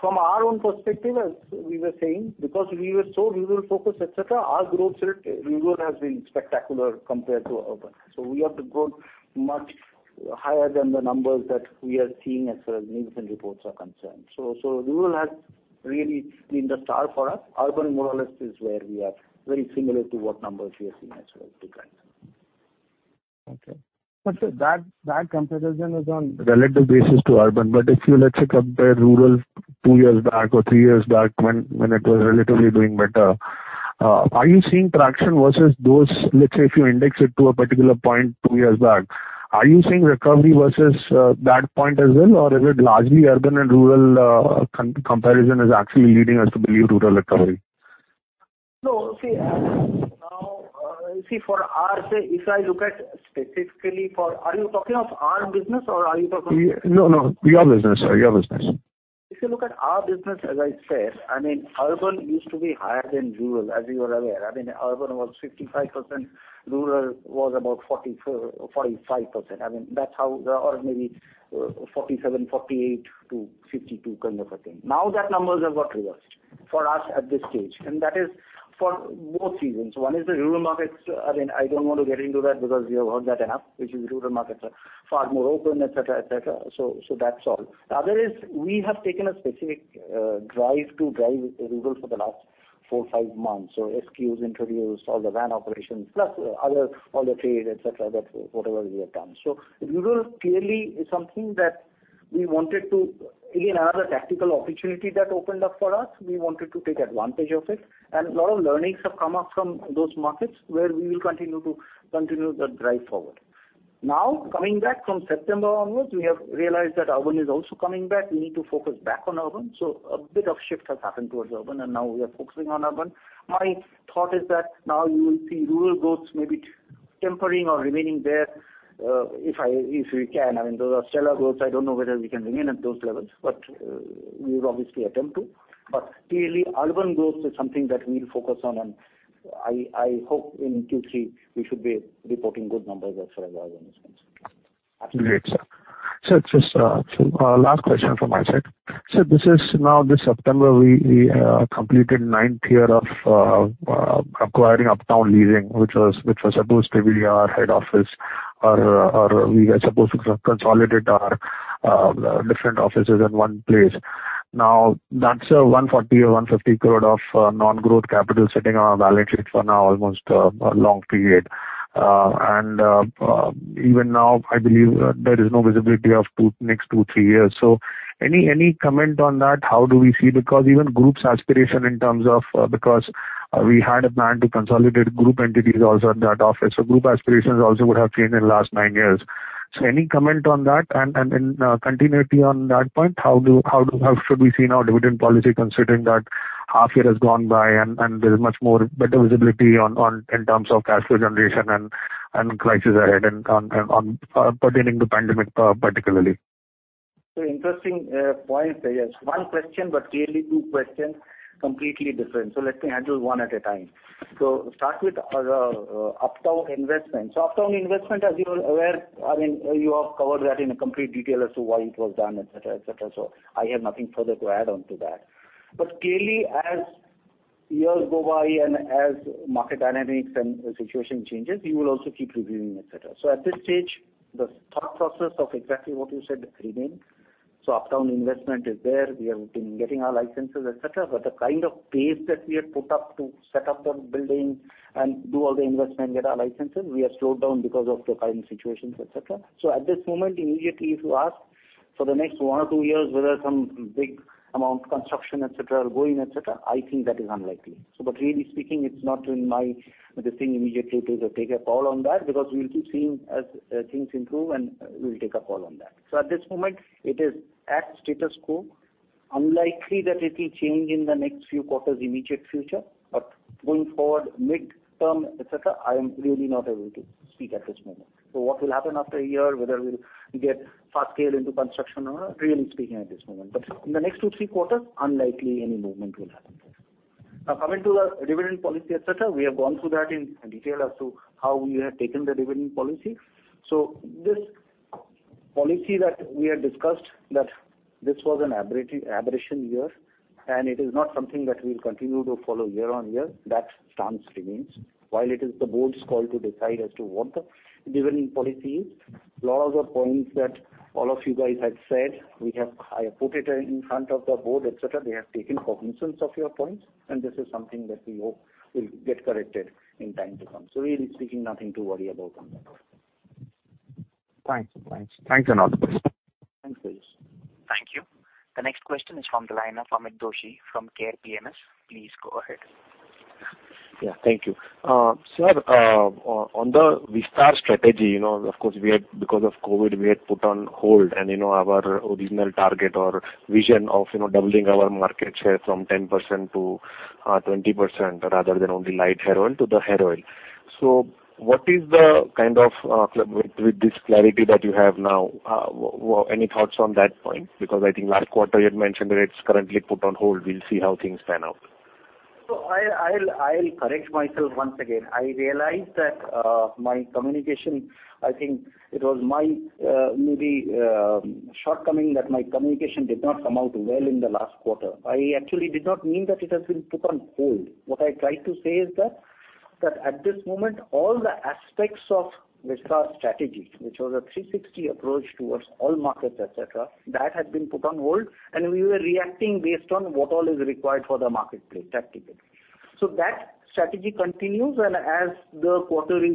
From our own perspective, as we were saying, because we were so rural-focused, et cetera, our growth rate rural has been spectacular compared to urban. We have grown much higher than the numbers that we are seeing as far as news and reports are concerned. Rural has really been the star for us. Urban more or less is where we are very similar to what numbers we are seeing as well today. Okay. That comparison is on relative basis to urban. If you, let's say, compare rural two years back or three years back when it was relatively doing better, are you seeing traction versus those, let's say, if you index it to a particular point two years back? Are you seeing recovery versus that point as well? Is it largely urban and rural comparison is actually leading us to believe rural recovery? No. See, if I look at. Are you talking of our business? No, your business, sorry. If you look at our business, as I said, urban used to be higher than rural, as you are aware. Urban was 55%, rural was about 45%. Or maybe 47%, 48% to 52%, kind of a thing. That numbers have got reversed for us at this stage. That is for both reasons. One is the rural markets, I don't want to get into that because we have heard that enough, which is rural markets are far more open, et cetera. That's all. The other is we have taken a specific drive to drive rural for the last four, five months. SKUs, interviews, all the van operations, plus other, all the trade, et cetera, that whatever we have done. Rural clearly is something that we wanted to, again, another tactical opportunity that opened up for us. We wanted to take advantage of it. A lot of learnings have come up from those markets where we will continue to drive forward. Coming back from September onwards, we have realized that urban is also coming back. We need to focus back on urban. A bit of shift has happened towards urban, and now we are focusing on urban. My thought is that now you will see rural growth maybe tempering or remaining there. If we can. Those are stellar growths, I don't know whether we can remain at those levels, but we would obviously attempt to. Clearly, urban growth is something that we'll focus on, and I hope in Q3 we should be reporting good numbers as far as urban is concerned. Great, sir. Sir, just last question from my side. Sir, this is now this September we completed ninth year of acquiring Uptown Leasing, which was supposed to be our head office, or we were supposed to consolidate our different offices in one place. Now that's 140 crore or 150 crore of non-growth capital sitting on our balance sheet for now almost a long period. Even now, I believe there is no visibility of next two, three years. Any comment on that? How do we see, because even group's aspiration in terms of, because we had a plan to consolidate group entities also in that office. Group aspirations also would have changed in last nine years. Any comment on that? Continuity on that point, how should we see now dividend policy considering that half year has gone by, and there is much more better visibility in terms of cash flow generation and crisis ahead and pertaining to pandemic particularly? Interesting point there. Yes. One question, but really two questions, completely different. Let me handle one at a time. Start with our Uptown investment. Uptown investment, as you are aware, you have covered that in a complete detail as to why it was done, et cetera. I have nothing further to add on to that. But clearly, as years go by and as market dynamics and situation changes, we will also keep reviewing, et cetera. At this stage, the thought process of exactly what you said remains. Uptown investment is there. We have been getting our licenses, et cetera. But the kind of pace that we had put up to set up the building and do all the investment, get our licenses, we have slowed down because of the current situations, et cetera. At this moment, immediately if you ask for the next one or two years, whether some big amount construction, et cetera, are going, et cetera, I think that is unlikely. Really speaking, it's not in my the thing immediately to take a call on that because we'll keep seeing as things improve and we'll take a call on that. At this moment it is at status quo, unlikely that it will change in the next few quarters, immediate future. Going forward midterm, et cetera, I am really not able to speak at this moment. What will happen after a year, whether we'll get fast scale into construction or not, really speaking at this moment. In the next two, three quarters, unlikely any movement will happen there. Coming to the dividend policy, et cetera, we have gone through that in detail as to how we have taken the dividend policy. This policy that we had discussed that this was an aberration year, and it is not something that we'll continue to follow year on year. That stance remains. While it is the Board's call to decide as to what the dividend policy is. A lot of the points that all of you guys had said, I have put it in front of the Board, et cetera. They have taken cognizance of your points, and this is something that we hope will get corrected in time to come. Really speaking, nothing to worry about on that front. Thanks. Thanks. Thanks a lot. Thanks, Rajesh. Thank you. The next question is from the line of Amit Doshi from Care PMS. Please go ahead. Yeah, thank you. Sir, on the Vistaar strategy, of course, because of COVID, we had put on hold and our original target or vision of doubling our market share from 10%-20%, rather than only light hair oil to the hair oil. With this clarity that you have now, any thoughts on that point? I think last quarter you had mentioned that it's currently put on hold. We'll see how things pan out. I'll correct myself once again. I realize that my communication, I think it was my maybe shortcoming, that my communication did not come out well in the last quarter. I actually did not mean that it has been put on hold. What I tried to say is that at this moment, all the aspects of Vistaar strategy, which was a 360 approach towards all markets, et cetera, that had been put on hold, and we were reacting based on what all is required for the marketplace tactically. That strategy continues, and as the quarter is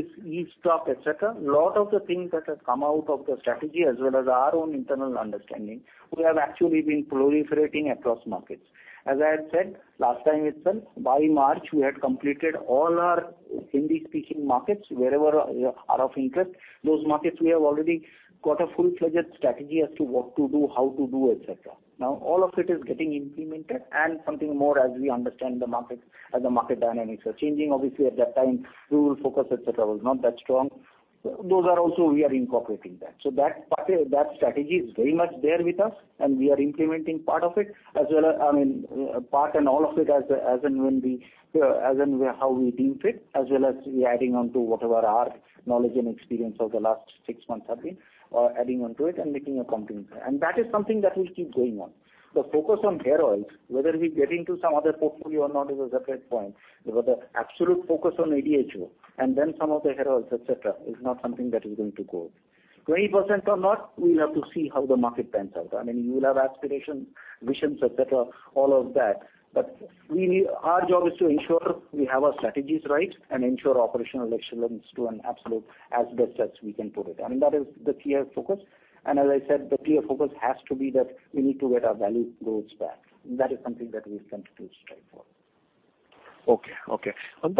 stocked, et cetera, a lot of the things that have come out of the strategy as well as our own internal understanding, we have actually been proliferating across markets. As I had said last time itself, by March, we had completed all our Hindi-speaking markets, wherever are of interest. Those markets we have already got a full-fledged strategy as to what to do, how to do, et cetera. All of it is getting implemented and something more as we understand the market as the market dynamics are changing. Obviously at that time, rural focus, et cetera, was not that strong. Those are also we are incorporating that. That strategy is very much there with us, and we are implementing part of it. I mean, part and all of it as and when how we deem fit, as well as we adding on to whatever our knowledge and experience of the last six months have been, adding on to it and making a complete plan. That is something that will keep going on. The focus on hair oils, whether we get into some other portfolio or not is a separate point. The absolute focus on ADHO and then some of the hair oils, et cetera, is not something that is going to go. 20% or not, we have to see how the market pans out. I mean, you will have aspiration, visions, et cetera, all of that, but really our job is to ensure we have our strategies right and ensure operational excellence to an absolute as best as we can put it. I mean, that is the clear focus. As I said, the clear focus has to be that we need to get our value growth back. That is something that we continue to strive for. Okay. On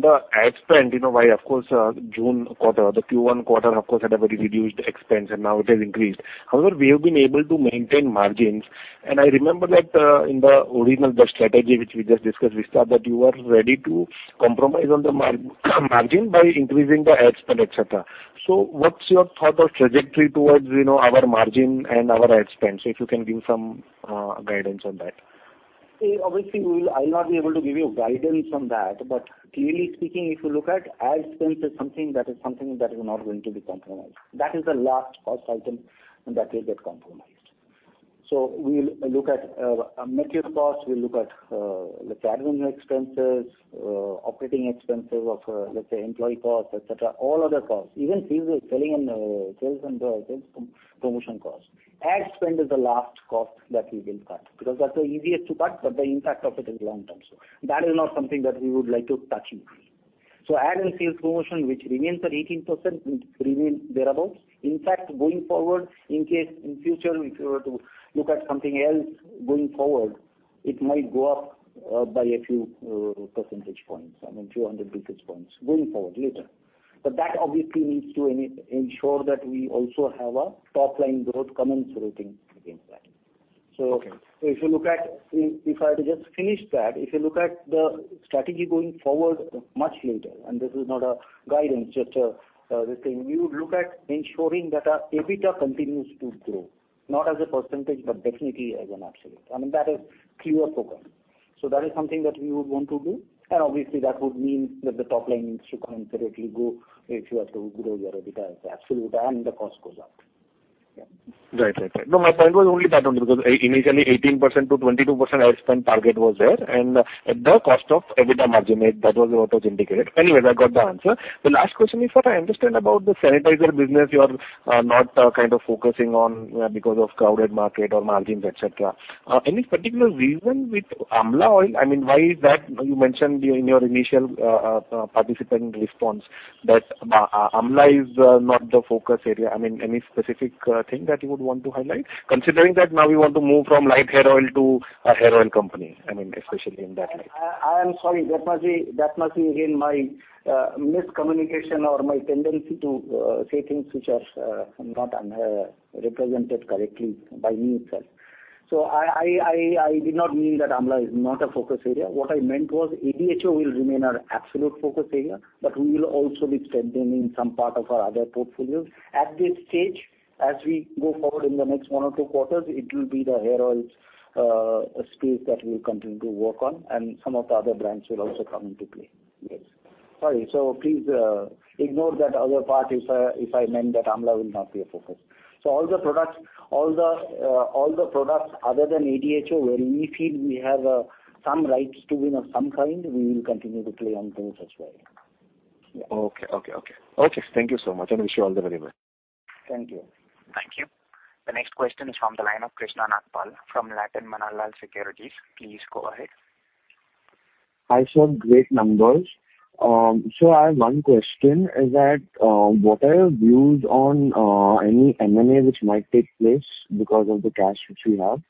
the ad spend, why, of course, June quarter, the Q1 quarter, of course, had a very reduced expense and now it has increased. However, we have been able to maintain margins. I remember that in the original Vistaar strategy, which we just discussed, Vistaar, that you are ready to compromise on the margin by increasing the ad spend, et cetera. What's your thought of trajectory towards our margin and our ad spend? If you can give some guidance on that. Obviously, I'll not be able to give you guidance on that. Clearly speaking, if you look at ad spend is something that is not going to be compromised. That is the last cost item that will get compromised. We'll look at material costs, we'll look at, let's say, admin expenses, operating expenses of, let's say, employee costs, et cetera, all other costs. Even sales and sales promotion costs. Ad spend is the last cost that we will cut because that's the easiest to cut, but the impact of it is long-term. That is not something that we would like to touch increase. Ad and sales promotion which remains at 18%, will remain thereabout. In fact, going forward, in case in future, if you were to look at something else going forward, it might go up by a few percentage points. I mean few hundred basis points going forward later. That obviously needs to ensure that we also have a top-line growth commensurate against that. Okay. If I just finish that, if you look at the strategy going forward much later, and this is not a guidance, just a listing, we would look at ensuring that our EBITDA continues to grow, not as a percentage, but definitely as an absolute. I mean, that is clear program. That is something that we would want to do. Obviously that would mean that the top line needs to commensurately grow if you are to grow your EBITDA as a absolute and the cost goes up. Yeah. Right. My point was only that one because initially 18%-22% ad spend target was there and at the cost of EBITDA margin, that was what was indicated. I got the answer. The last question is what I understand about the sanitizer business you are not kind of focusing on because of crowded market or margins, et cetera. Any particular reason with Amla oil? I mean, why is that you mentioned in your initial participating response that Amla is not the focus area. I mean, any specific thing that you would want to highlight? Considering that now you want to move from light hair oil to a hair oil company, I mean, especially in that light. I am sorry. That must be again my miscommunication or my tendency to say things which are not represented correctly by me itself. I did not mean that Amla is not a focus area. What I meant was ADHO will remain our absolute focus area, but we will also be strengthening some part of our other portfolios. At this stage, as we go forward in the next one or two quarters, it will be the hair oils space that we'll continue to work on and some of the other brands will also come into play. Yes. Sorry. Please ignore that other part if I meant that Amla will not be a focus. All the products other than ADHO where we feel we have some rights to win of some kind, we will continue to play on those as well. Okay. Thank you so much. Wish you all the very best. Thank you. Thank you. The next question is from the line of Krishna Nagpal from Latin Manharlal Securities. Please go ahead. I saw great numbers. I have one question, is that, what are your views on any M&A which might take place because of the cash which we have?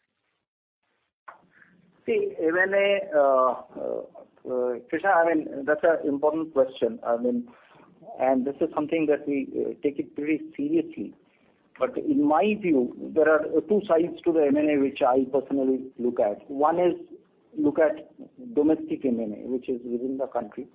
See, Krishna, that's an important question. This is something that we take it pretty seriously. In my view, there are two sides to the M&A which I personally look at. One is look at domestic M&A, which is within the country.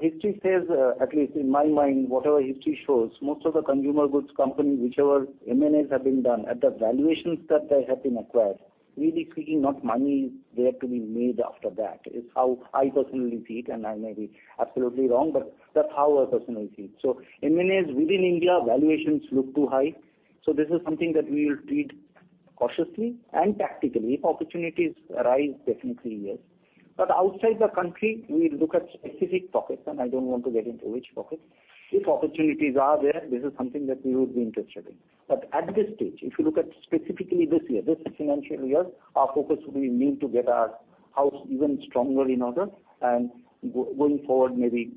History says, at least in my mind, whatever history shows, most of the consumer goods companies, whichever M&As have been done, at the valuations that they have been acquired, really speaking, not money is there to be made after that, is how I personally see it, and I may be absolutely wrong, but that's how I personally see it. M&As within India, valuations look too high. This is something that we will treat cautiously and tactically. If opportunities arise, definitely, yes. Outside the country, we look at specific pockets, and I don't want to get into which pockets. If opportunities are there, this is something that we would be interested in. At this stage, if you look at specifically this year, this financial year, our focus will be we need to get our house even stronger in order. Going forward, maybe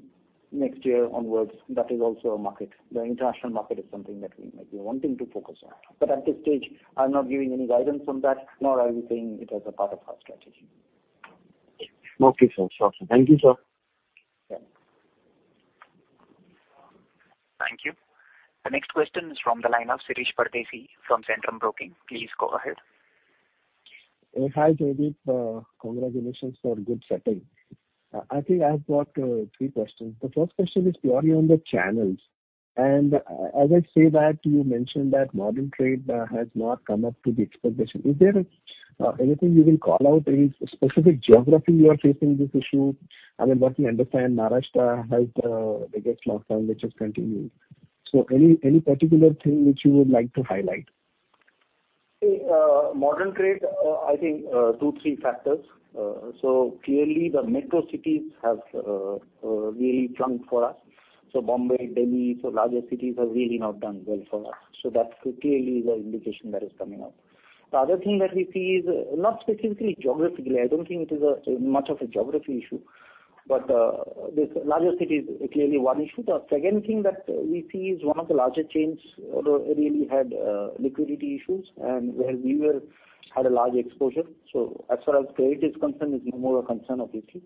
next year onwards, that is also a market. The international market is something that we may be wanting to focus on. At this stage, I'm not giving any guidance on that, nor are we saying it as a part of our strategy. Okay, sir. Thank you, sir. Yeah. Thank you. The next question is from the line of Shirish Pardeshi from Centrum Broking. Please go ahead. Hi, Jaideep. Congratulations for good setting. I think I've got three questions. The first question is purely on the channels. As I say that you mentioned that modern trade has not come up to the expectation. Is there anything you will call out, any specific geography you are facing this issue? I mean, what we understand, Maharashtra has the biggest lockdown, which has continued. Any particular thing which you would like to highlight? Modern trade, I think, two, three factors. Clearly the metro cities have really shrunk for us. Bombay, Delhi, larger cities have really not done well for us. That clearly is an indication that is coming out. The other thing that we see is, not specifically geographically, I don't think it is much of a geography issue, but these larger cities are clearly one issue. The second thing that we see is one of the larger chains really had liquidity issues, and where we had a large exposure. As far as credit is concerned, it's no more a concern, obviously.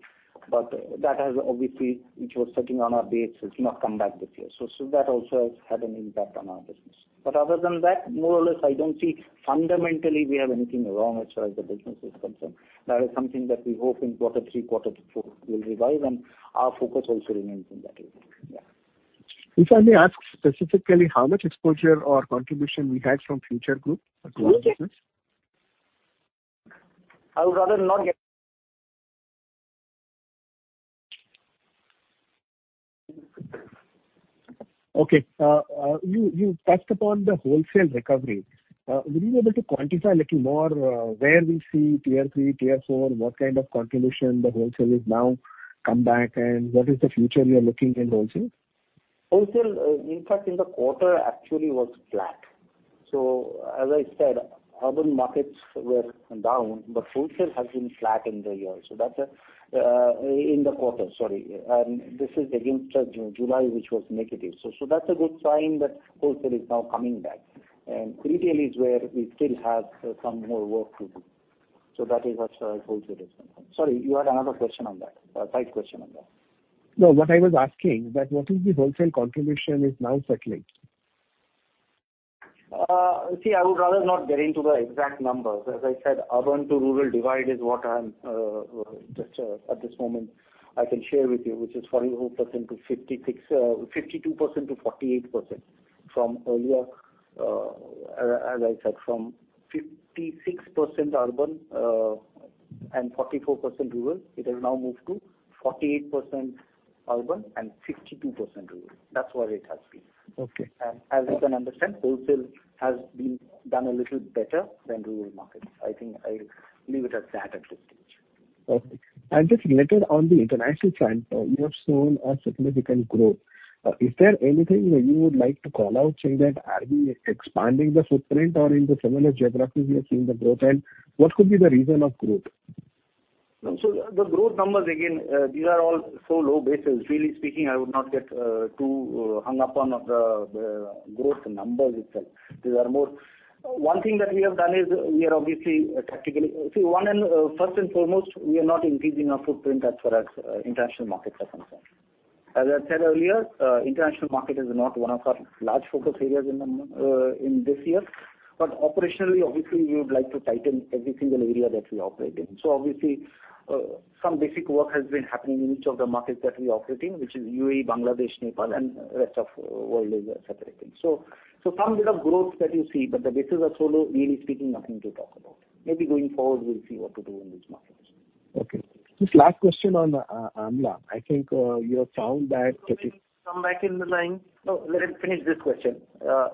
That has obviously, which was sitting on our base, has not come back this year. That also has had an impact on our business. Other than that, more or less, I don't see fundamentally we have anything wrong as far as the business is concerned. That is something that we hope in quarter three, quarter four will revive, and our focus also remains in that area. Yeah. If I may ask specifically how much exposure or contribution we had from Future Group? I would rather not get. Okay. You touched upon the wholesale recovery. Will you be able to quantify a little more, where we see Tier 3, Tier 4, what kind of contribution the wholesale is now come back? What is the future you're looking in wholesale? Wholesale, in fact in the quarter actually was flat. As I said, urban markets were down, but wholesale has been flat in the year. In the quarter, sorry. This is against July, which was negative. That's a good sign that wholesale is now coming back. Retail is where we still have some more work to do. That is what wholesale is concerned. Sorry, you had another question on that. A side question on that. No, what I was asking, that what is the wholesale contribution is now settling? See, I would rather not get into the exact numbers. As I said, urban to rural divide is what I am just at this moment I can share with you, which is 44% to 52% to 48% from earlier. As I said, from 56% urban and 44% rural, it has now moved to 48% urban and 52% rural. That's what it has been. Okay. As you can understand, wholesale has been done a little better than rural markets. I think I'll leave it at that at this stage. Okay. Just related on the international front, you have shown a significant growth. Is there anything that you would like to call out, say that, are we expanding the footprint or in the similar geographies we are seeing the growth? What could be the reason of growth? The growth numbers, again, these are all so low bases. Really speaking, I would not get too hung up on the growth numbers itself. One thing that we have done is we are obviously tactically. First and foremost, we are not increasing our footprint as far as international markets are concerned. As I said earlier, international market is not one of our large focus areas in this year. Operationally, obviously, we would like to tighten every single area that we operate in. Obviously, some basic work has been happening in each of the markets that we operate in, which is UAE, Bangladesh, Nepal, and rest of world is separate thing. Some bit of growth that you see, but the bases are so low, really speaking, nothing to talk about. Maybe going forward, we will see what to do in these markets. Okay. Just last question on Amla. Come back in the line. No, let him finish this question.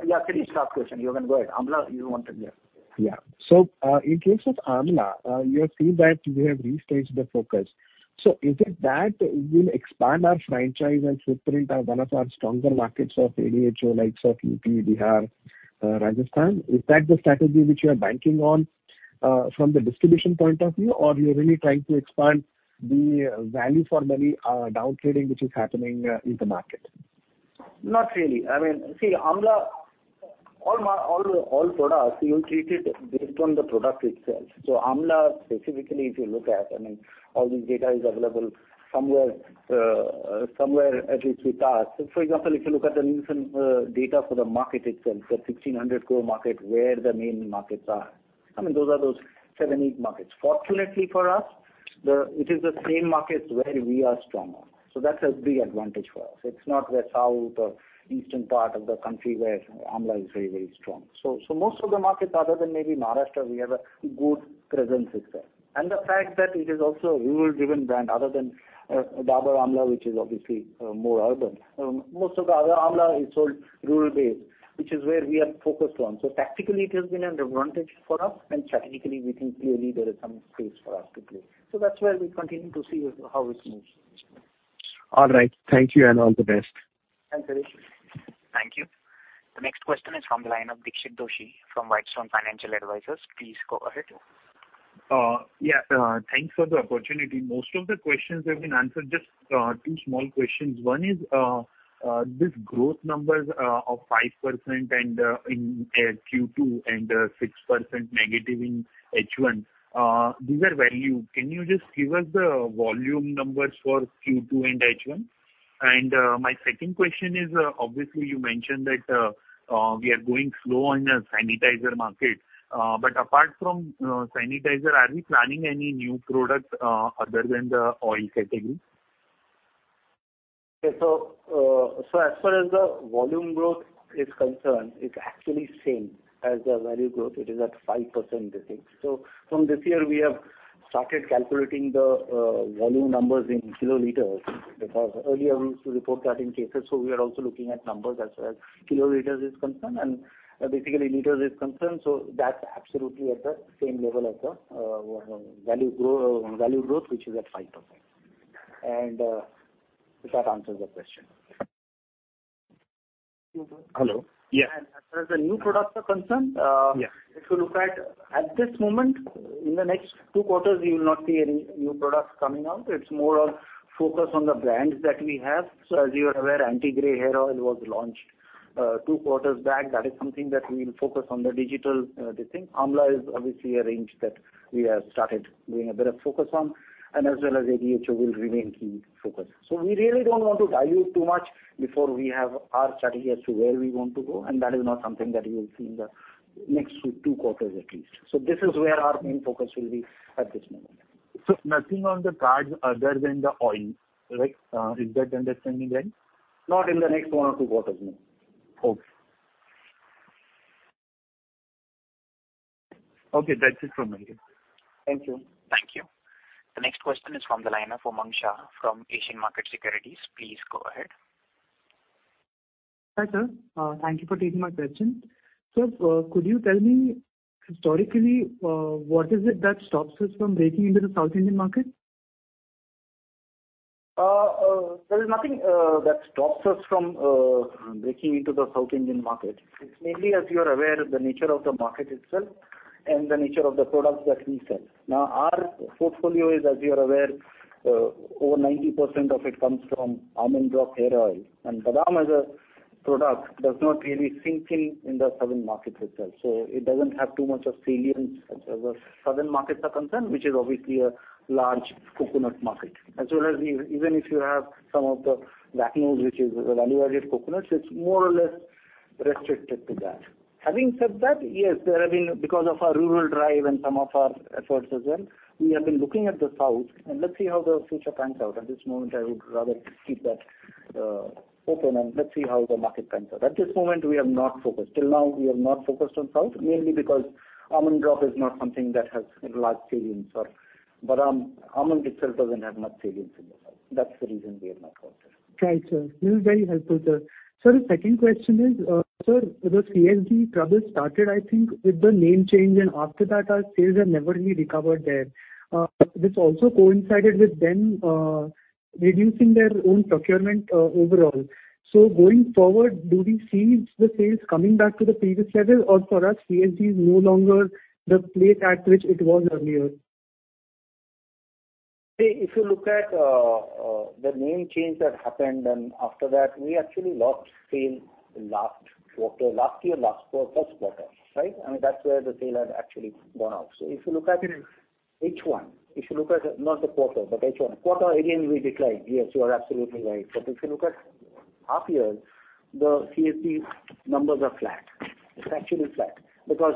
Yeah, finish that question. You can go ahead. Amla, you wanted, yeah. In case of Amla, you have seen that we have restaged the focus. Is it that will expand our franchise and footprint as one of our stronger markets of ADHO likes of UP, Bihar, Rajasthan? Is that the strategy which you are banking on from the distribution point of view, or you're really trying to expand the value for many down trading, which is happening in the market? Not really. Amla, all products, you will treat it based on the product itself. Amla specifically, if you look at, all this data is available somewhere, at least with us. For example, if you look at the Nielsen data for the market itself, the 1,600 crore market, where the main markets are. Those are those seven, eight markets. Fortunately for us, it is the same markets where we are stronger. That's a big advantage for us. It's not the south or eastern part of the country where Amla is very strong. Most of the markets, other than maybe Maharashtra, we have a good presence itself. The fact that it is also a rural-driven brand other than Dabur Amla, which is obviously more urban. Most of the other Amla is sold rural-based, which is where we are focused on. Tactically, it has been an advantage for us, and strategically we think really there is some space for us to play. That's where we continue to see how it moves. All right. Thank you and all the best. Thanks, Shirish. Thank you. The next question is from the line of Dixit Doshi from Whitestone Financial Advisors. Please go ahead. Yeah, thanks for the opportunity. Most of the questions have been answered. Just two small questions. One is, these growth numbers of 5% in Q2 and 6% negative in H1. These are value. Can you just give us the volume numbers for Q2 and H1? My second question is, obviously you mentioned that we are going slow on the sanitizer market. Apart from sanitizer, are we planning any new products other than the oil category? Okay. As far as the volume growth is concerned, it's actually same as the value growth. It is at 5%, I think. From this year, we have started calculating the volume numbers in kiloliters, because earlier we used to report that in cases. We are also looking at numbers as far as kiloliters is concerned, and basically liters is concerned, that's absolutely at the same level as the value growth, which is at 5%. If that answers your question. Hello. Yeah. As far as the new products are concerned. Yeah If you look at this moment, in the next two quarters, you will not see any new products coming out. It's more of focus on the brands that we have. As you are aware, Anti-Grey hair oil was launched two quarters back. That is something that we will focus on the digital, they think. Amla is obviously a range that we have started doing a bit of focus on, and as well as ADHO will remain key focus. We really don't want to dilute too much before we have our strategy as to where we want to go, and that is not something that you will see in the next two quarters at least. This is where our main focus will be at this moment. Nothing on the cards other than the oil, right? Is that understanding right? Not in the next one or two quarters, no. Okay. Okay. That's it from my end. Thank you. Thank you. The next question is from the line of Umang Shah from Asian Market Securities. Please go ahead. Hi, sir. Thank you for taking my question. Sir, could you tell me historically, what is it that stops us from breaking into the South Indian market? There is nothing that stops us from breaking into the South Indian market. It's mainly, as you are aware, the nature of the market itself and the nature of the products that we sell. Our portfolio is, as you are aware, over 90% of it comes from Almond Drops Hair Oil. Badam as a product does not really sink in in the southern market itself. It doesn't have too much of salience as far as the southern markets are concerned, which is obviously a large coconut market. As well as even if you have some of the VACO, which is value-added coconuts, it's more or less restricted to that. Having said that, yes, there have been, because of our rural drive and some of our efforts as well, we have been looking at the South, and let's see how the future pans out. At this moment, I would rather keep that open and let's see how the market pans out. At this moment, we have not focused. Till now, we have not focused on South, mainly because Almond Drops is not something that has a large salience, or badam. Almond itself doesn't have much salience in the South. That's the reason we have not focused. Right, sir. This is very helpful, sir. Sir, the second question is, sir, the CSD trouble started, I think, with the name change. After that our sales have never really recovered there. This also coincided with them reducing their own procurement overall. Going forward, do we see the sales coming back to the previous level or for us, CSD is no longer the place at which it was earlier? If you look at the name change that happened and after that, we actually lost sale last year, first quarter. Right? That's where the sale has actually gone off. Which means? H1. Not the quarter, but H1. Quarter again, we declined. Yes, you are absolutely right. If you look at half year, the CSD numbers are flat. It's actually flat. Because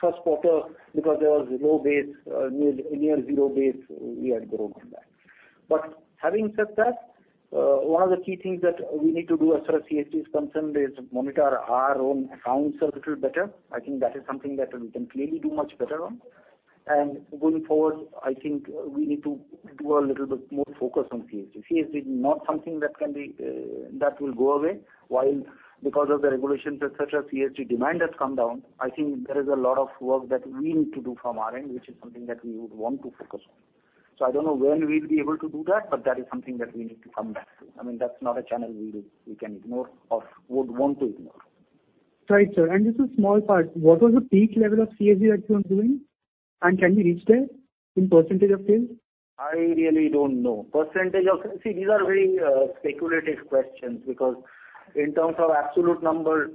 first quarter, because there was low base, near zero base, we had grown from that. Having said that, one of the key things that we need to do as far as CSD is concerned is monitor our own accounts a little better. I think that is something that we can clearly do much better on. Going forward, I think we need to do a little bit more focus on CSD. CSD is not something that will go away. While because of the regulations, et cetera, CSD demand has come down, I think there is a lot of work that we need to do from our end, which is something that we would want to focus on. I don't know when we'll be able to do that, but that is something that we need to come back to. That's not a channel we can ignore or would want to ignore. Right, sir. Just a small part, what was the peak level of CSD that you were doing? Can we reach there in percentage of sales? I really don't know. These are very speculative questions because in terms of absolute number,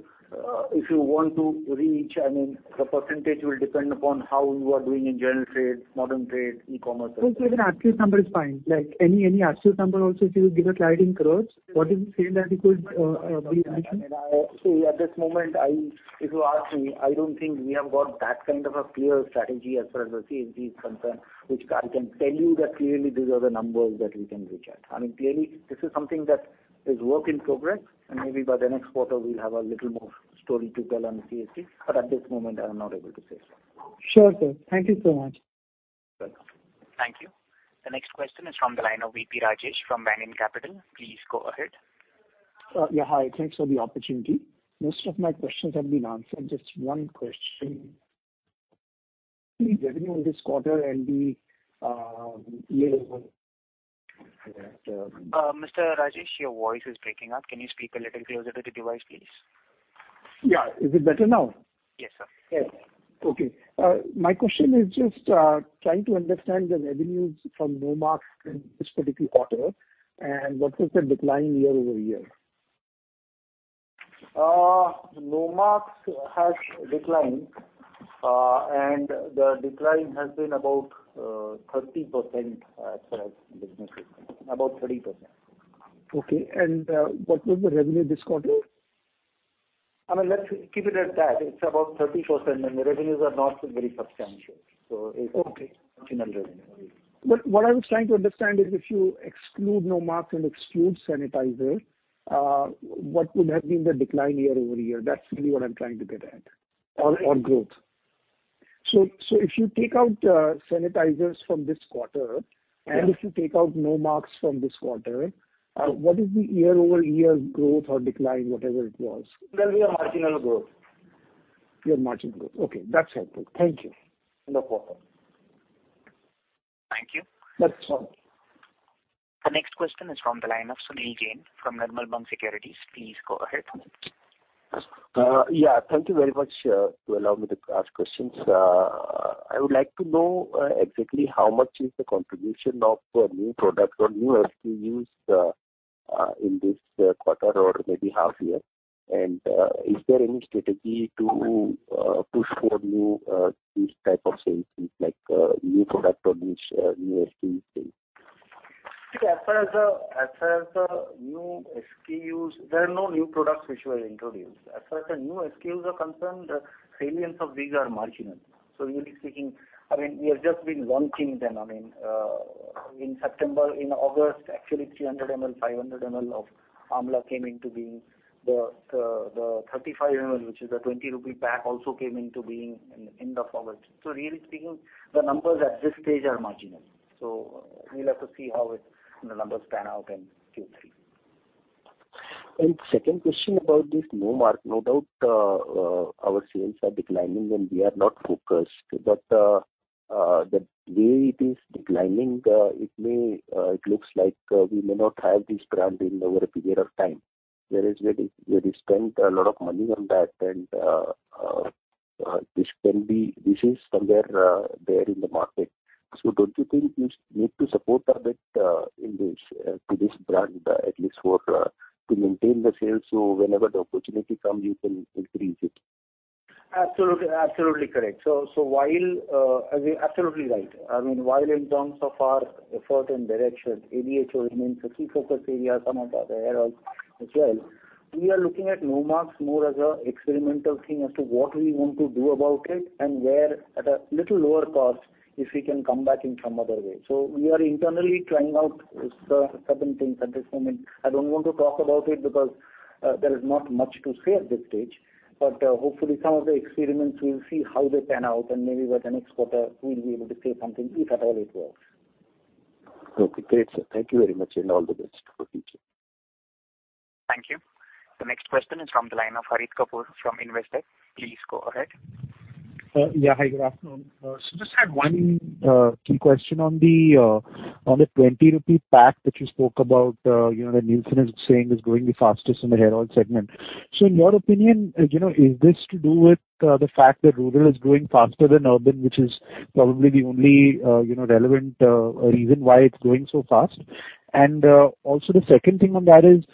if you want to reach, the percentage will depend upon how you are doing in general trade, modern trade, e-commerce, et cetera. Okay. Even actual number is fine. Like any actual number also, if you give us guide in crores, what is the sale that you could be reaching? At this moment, if you ask me, I don't think we have got that kind of a clear strategy as far as the CSD is concerned, which I can tell you that clearly these are the numbers that we can reach at. This is something that is work in progress, and maybe by the next quarter, we'll have a little more story to tell on CSD. At this moment, I'm not able to say so. Sure, sir. Thank you so much. Welcome. Thank you. The next question is from the line of V.P. Rajesh from Banyan Capital. Please go ahead. Yeah. Hi. Thanks for the opportunity. Most of my questions have been answered. Just one question. The revenue in this quarter and the year over Mr. Rajesh, your voice is breaking up. Can you speak a little closer to the device, please? Yeah. Is it better now? Yes, sir. Yes. Okay. My question is just trying to understand the revenues from Nomarks in this particular quarter, and what was the decline year-over-year? Nomarks has declined, and the decline has been about 30% as far as the business is concerned. About 30%. Okay. What was the revenue this quarter? Let's keep it at that. It's about 30%, and the revenues are not very substantial. Okay marginal revenue. What I was trying to understand is if you exclude Nomarks and exclude sanitizers, what would have been the decline year-over-year? That's really what I'm trying to get at. Or growth. If you take out sanitizers from this quarter. Yeah If you take out Nomarks from this quarter, what is the year-over-year growth or decline, whatever it was? There will be a marginal growth. Yeah, marginal growth. Okay. That's helpful. Thank you. No problem. Thank you. That's all. The next question is from the line of Sunil Jain from Nirmal Bang Securities. Please go ahead, Sunil. Yeah. Thank you very much to allow me to ask questions. I would like to know exactly how much is the contribution of new product or new SKUs in this quarter or maybe half year. Is there any strategy to push for new type of sales like new product or new SKU sales? See, as far as the new SKUs, there are no new products which were introduced. As far as the new SKUs are concerned, the salience of these are marginal. Really speaking, we have just been launching them. In September, in August, actually 300 ml, 500 ml of amla came into being. The 35 ml, which is a 20 rupee pack also came into being in the end of August. Really speaking, the numbers at this stage are marginal. We'll have to see how the numbers pan out in Q3. Second question about this Nomarks, no doubt our sales are declining, and we are not focused, but the way it is declining, it looks like we may not have this brand in over a period of time. We already spent a lot of money on that, and this is somewhere there in the market. Don't you think you need to support a bit to this brand, at least to maintain the sales so whenever the opportunity comes, you can increase it? Absolutely correct. Absolutely right. In terms of our effort and direction, ADHO remains a key focus area, some of the other hair oils as well. We are looking at Nomarks more as an experimental thing as to what we want to do about it, and where at a little lower cost, if we can come back in some other way. We are internally trying out certain things at this moment. I don't want to talk about it because there is not much to say at this stage, but hopefully some of the experiments we'll see how they pan out, and maybe by the next quarter, we'll be able to say something, if at all it works. Okay, great, sir. Thank you very much. All the best for future. Thank you. The next question is from the line of Harit Kapoor from Investec. Please go ahead. Yeah. Hi, good afternoon. Just had one key question on the 20 rupee pack that you spoke about, that Nielsen is saying is growing the fastest in the hair oil segment. In your opinion, is this to do with the fact that rural is growing faster than urban, which is probably the only relevant reason why it's growing so fast? Also, the second thing on that is,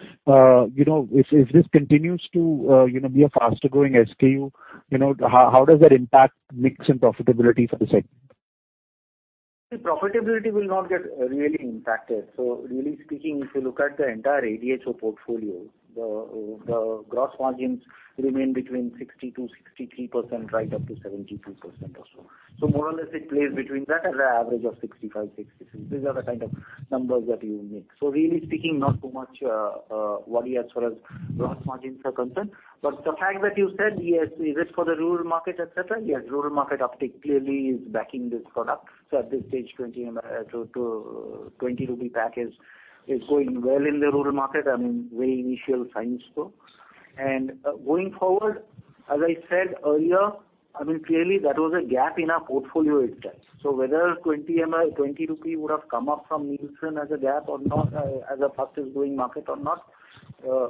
if this continues to be a faster-growing SKU, how does that impact mix and profitability for the segment? The profitability will not get really impacted. Really speaking, if you look at the entire ADHO portfolio, the gross margins remain between 62%, 63%, right up to 72% or so. More or less, it plays between that as an average of 65%, 66%. These are the kind of numbers that you make. Really speaking, not too much worry as far as gross margins are concerned. The fact that you said, yes, is it for the rural market, et cetera, yes, rural market uptake clearly is backing this product. At this stage, 20 pack is going well in the rural market. I mean, very initial signs so. Going forward, as I said earlier, clearly, that was a gap in our portfolio itself. Whether 20 rupee would have come up from Nielsen as a gap or not, as a fastest-growing market or not,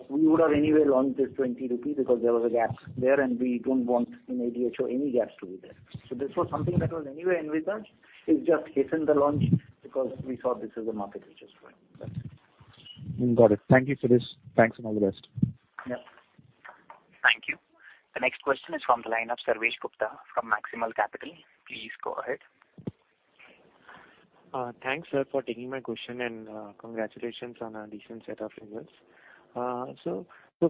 we would have anyway launched this 20 rupees because there was a gap there, and we don't want, in ADHO, any gaps to be there. This was something that was anyway envisaged. It just hastened the launch because we saw this as a market which is growing. That's it. Got it. Thank you for this. Thanks, and all the best. Yeah. Thank you. The next question is from the line of Sarvesh Gupta from Maximal Capital. Please go ahead. Thanks, sir, for taking my question, and congratulations on a decent set of results.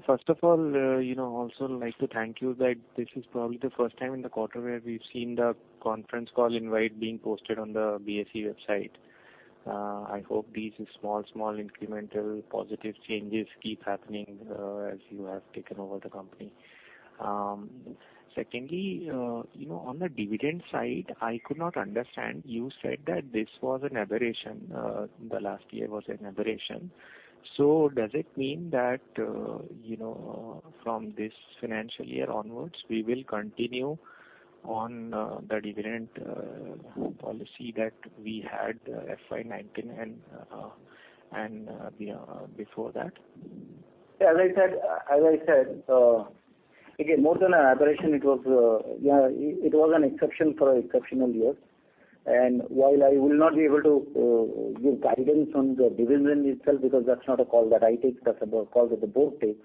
First of all, also like to thank you that this is probably the first time in the quarter where we've seen the conference call invite being posted on the BSE website. I hope these small incremental positive changes keep happening as you have taken over the company. Secondly, on the dividend side, I could not understand. You said that this was an aberration. The last year was an aberration. Does it mean that, from this financial year onwards, we will continue on the dividend policy that we had FY 2019 and before that? Yeah, as I said, again, more than an aberration, it was an exception for an exceptional year. While I will not be able to give guidance on the dividend itself, because that's not a call that I take, that's a call that the board takes,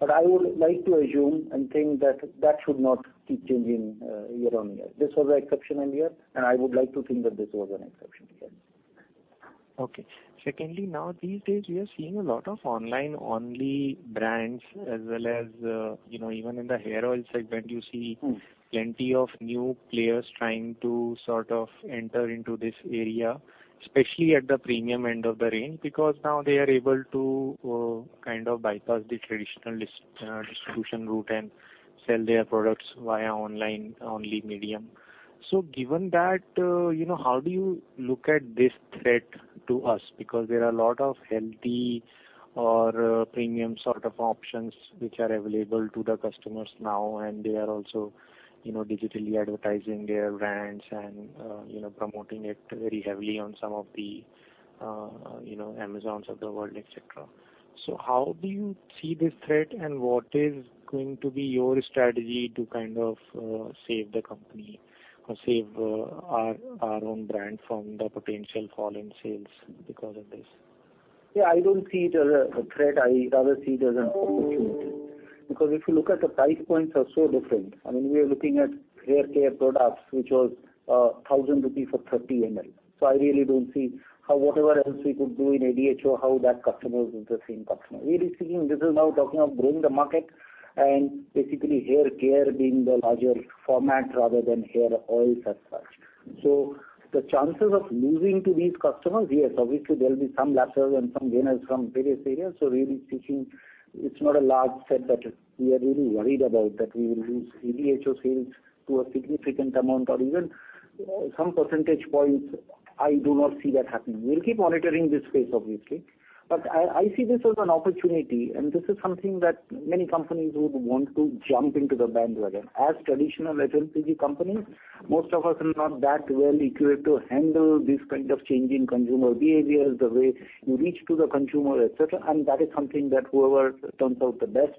but I would like to assume and think that that should not keep changing year on year. This was an exceptional year, and I would like to think that this was an exception, yes. Okay. Secondly, now these days, we are seeing a lot of online-only brands as well as, even in the hair oil segment, you see plenty of new players trying to sort of enter into this area, especially at the premium end of the range, because now they are able to kind of bypass the traditional distribution route and sell their products via online-only medium. Given that, how do you look at this threat to us? Because there are a lot of healthy or premium sort of options which are available to the customers now, and they are also digitally advertising their brands and promoting it very heavily on some of the Amazons of the world, et cetera. How do you see this threat, and what is going to be your strategy to kind of save the company or save our own brand from the potential fall in sales because of this? Yeah, I don't see it as a threat. I rather see it as an opportunity. If you look at the price points are so different. I mean, we are looking at hair care products, which was 1,000 rupees for 30 ml. I really don't see how whatever else we could do in ADHO, how that customer is the same customer. Really speaking, this is now talking of growing the market and basically hair care being the larger format rather than hair oils as such. The chances of losing to these customers, yes, obviously there'll be some losers and some winners from various areas. Really speaking, it's not a large set that we are really worried about that we will lose ADHO sales to a significant amount or even some percentage points. I do not see that happening. We'll keep monitoring this space, obviously. I see this as an opportunity, and this is something that many companies would want to jump into the bandwagon. As traditional FMCG companies, most of us are not that well-equipped to handle this kind of change in consumer behavior, the way you reach to the consumer, et cetera, and that is something that whoever turns out the best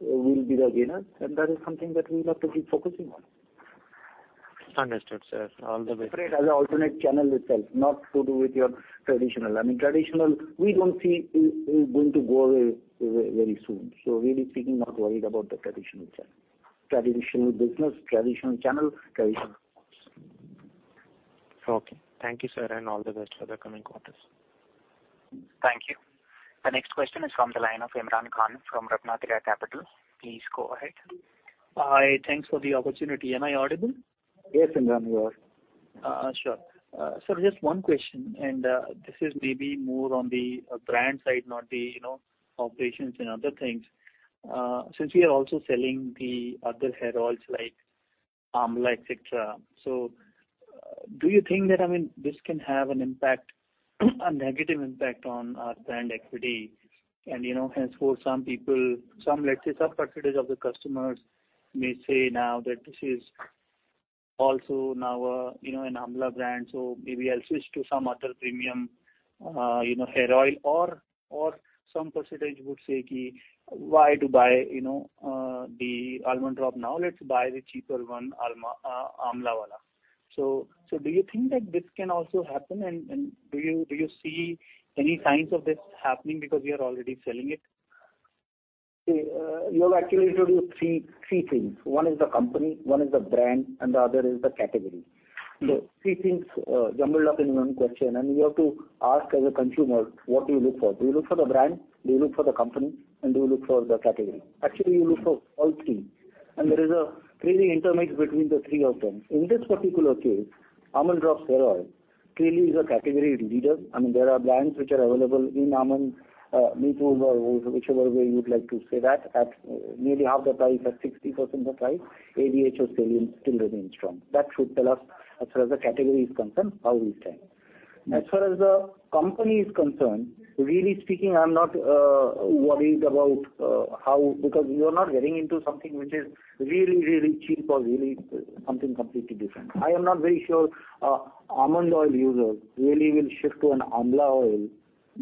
will be the winners, and that is something that we'll have to keep focusing on. Understood, sir. All the best. Treat it as an alternate channel itself, not to do with your traditional. I mean, traditional, we don't see it going to go away very soon. Really speaking, not worried about the traditional channel. Okay. Thank you, sir, and all the best for the coming quarters. Thank you. The next question is from the line of Imran Khan from RatnaTraya Capital. Please go ahead. Hi. Thanks for the opportunity. Am I audible? Yes, Imran, you are. Sure. Sir, just one question, this is maybe more on the brand side, not the operations and other things. Since we are also selling the other hair oils like Amla, et cetera, do you think that, I mean, this can have a negative impact on our brand equity, and hence for some people, some percentage of the customers may say now that this is also now an Amla brand, maybe I'll switch to some other premium hair oil or some percentage would say, "Why to buy the Almond Drops now? Let's buy the cheaper one, Amla wala." Do you think that this can also happen, and do you see any signs of this happening because we are already selling it? You have actually introduced three things. One is the company, one is the brand, and the other is the category. Three things jumbled up in one question, and you have to ask as a consumer, what do you look for? Do you look for the brand? Do you look for the company? Do you look for the category? Actually, you look for all three. There is a really intermix between the three of them. In this particular case, Almond Drops Hair Oil clearly is a category leader. There are brands which are available in almond, whichever way you'd like to say that, at nearly half the price, at 60% of price, ADHO's selling still remains strong. That should tell us, as far as the category is concerned, how we stand. As far as the company is concerned, really speaking, I'm not worried about how Because we are not getting into something which is really cheap or really something completely different. I am not very sure almond oil users really will shift to an Amla oil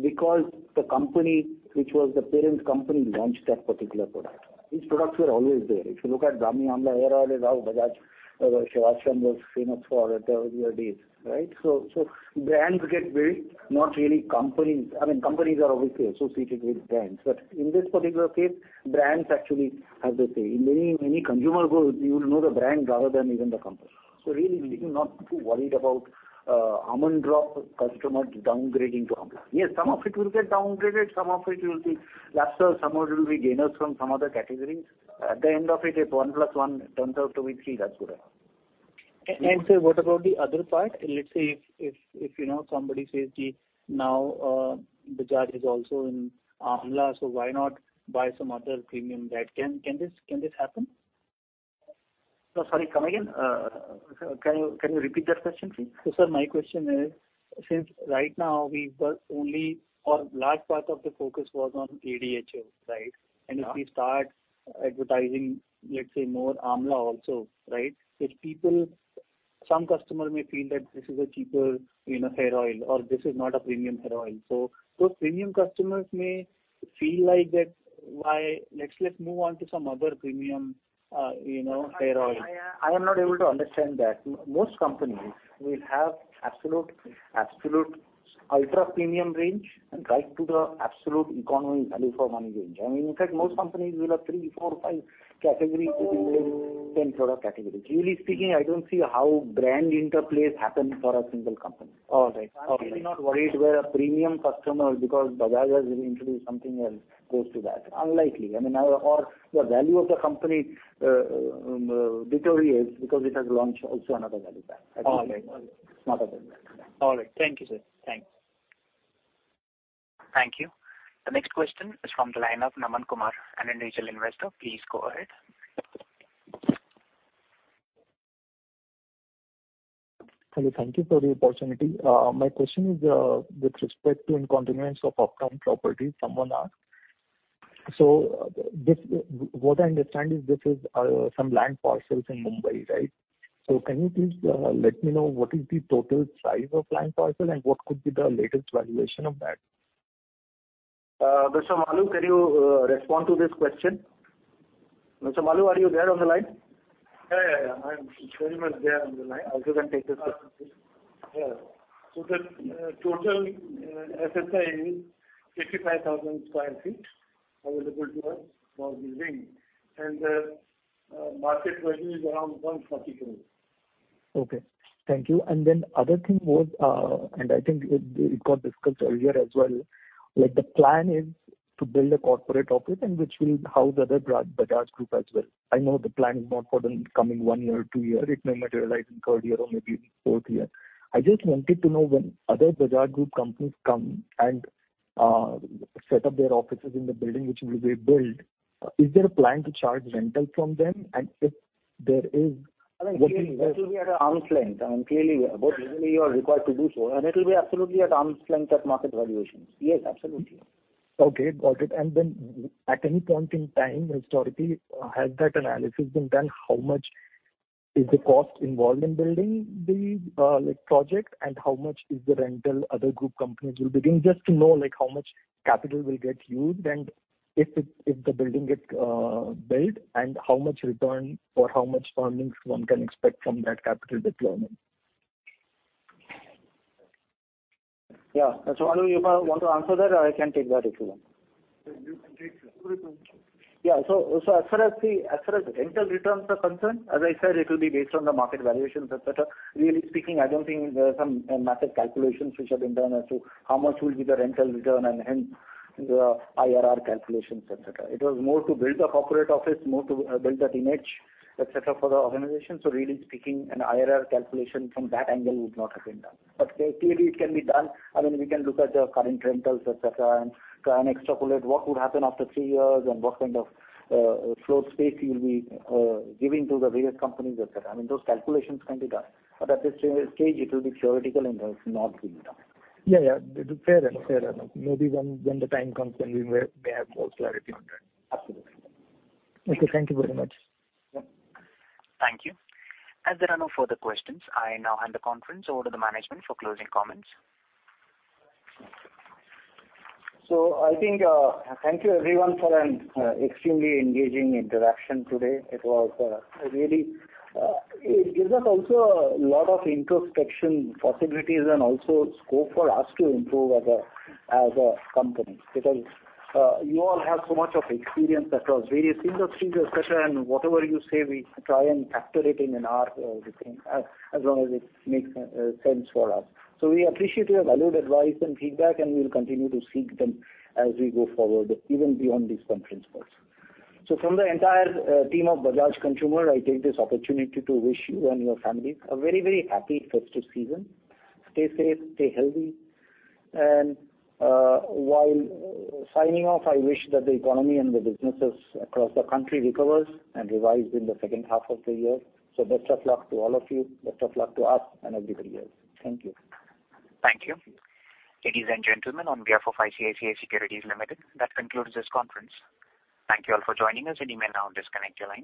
because the company, which was the parent company, launched that particular product. These products were always there. If you look at Brahmi Amla hair oil or Bajaj, or Sevashram was famous for in the earlier days. Brands get built, not really companies. Companies are obviously associated with brands. In this particular case, brands actually, as they say, in many consumer goods, you will know the brand rather than even the company. Really speaking, not too worried about Almond Drops customers downgrading to Amla. Yes, some of it will get downgraded, some of it will be lost or some of it will be gainers from some other categories. At the end of it, if one plus one turns out to be three, that's good enough. Sir, what about the other part? Let's say if somebody says, "Now Bajaj is also in Amla, so why not buy some other premium brand?" Can this happen? No, sorry. Come again. Can you repeat that question, please? Sir, my question is, since right now our large part of the focus was on ADHO, right? Yeah. If we start advertising, let's say, more Amla also. Some customers may feel that this is a cheaper hair oil or this is not a premium hair oil. Those premium customers may feel like, "Let's move on to some other premium hair oil. I am not able to understand that. Most companies will have absolute ultra-premium range right to the absolute economy value for money range. In fact, most companies will have three, four, five category within their product categories. Really speaking, I don't see how brand interplays happen for a single company. All right. Okay. I'm actually not worried where a premium customer, because Bajaj has introduced something else, goes to that. Unlikely. The value of the company deteriorates because it has launched also another value brand. All right. It's not a big factor. All right. Thank you, sir. Thanks. Thank you. The next question is from the line of Naman Kumar, an individual investor. Please go ahead. Hello. Thank you for the opportunity. My question is with respect to Uptown Properties, someone asked. What I understand is this is some land parcels in Mumbai, right? Can you please let me know what is the total size of land parcel and what could be the latest valuation of that? Mr. Maloo, can you respond to this question? Mr. Maloo, are you there on the line? Yeah. I am very much there on the line. I also can take this question. The total FSI is 85,000 sq ft available to us for building, and the market value is around 140 million. Okay. Thank you. Other thing was, and I think it got discussed earlier as well, the plan is to build a corporate office and which will house the other Bajaj Group as well. I know the plan is not for the coming one year or two year. It may materialize in third year or maybe fourth year. I just wanted to know when other Bajaj Group companies come and set up their offices in the building which will be built, is there a plan to charge rental from them? It will be at arm's length. Clearly, what legally you are required to do so, it will be absolutely at arm's length of market valuations. Yes, absolutely. Okay. Got it. At any point in time, historically, has that analysis been done? How much is the cost involved in building these projects, and how much is the rental other group companies will be giving? Just to know how much capital will get used, and if the building gets built, and how much return or how much earnings one can expect from that capital deployment. Yeah. Mr. Maloo, you want to answer that or I can take that if you want. You can take that. As far as rental returns are concerned, as I said, it will be based on the market valuations, et cetera. Really speaking, I don't think there are some massive calculations which have been done as to how much will be the rental return and hence the IRR calculations, et cetera. It was more to build the corporate office, more to build that image, et cetera, for the organization. Really speaking, an IRR calculation from that angle would not have been done. Clearly it can be done. We can look at the current rentals, et cetera, and try and extrapolate what would happen after three years and what kind of floor space you'll be giving to the various companies, et cetera. Those calculations can be done. At this stage, it will be theoretical and has not been done. Yeah. Fair enough. Maybe when the time comes, then we may have more clarity on that. Absolutely. Okay. Thank you very much. Yeah. Thank you. As there are no further questions, I now hand the conference over to the management for closing comments. I think thank you everyone for an extremely engaging interaction today. It gives us also a lot of introspection possibilities and also scope for us to improve as a company, because you all have so much of experience across various industries, et cetera, and whatever you say, we try and capture it in our system as long as it makes sense for us. We appreciate your valued advice and feedback, and we'll continue to seek them as we go forward, even beyond this conference also. From the entire team of Bajaj Consumer, I take this opportunity to wish you and your families a very, very happy festive season. Stay safe, stay healthy. While signing off, I wish that the economy and the businesses across the country recovers and revives in the second half of the year. Best of luck to all of you, best of luck to us and everybody else. Thank you. Thank you. Ladies and gentlemen, on behalf of ICICI Securities Limited, that concludes this conference. Thank you all for joining us and you may now disconnect your lines.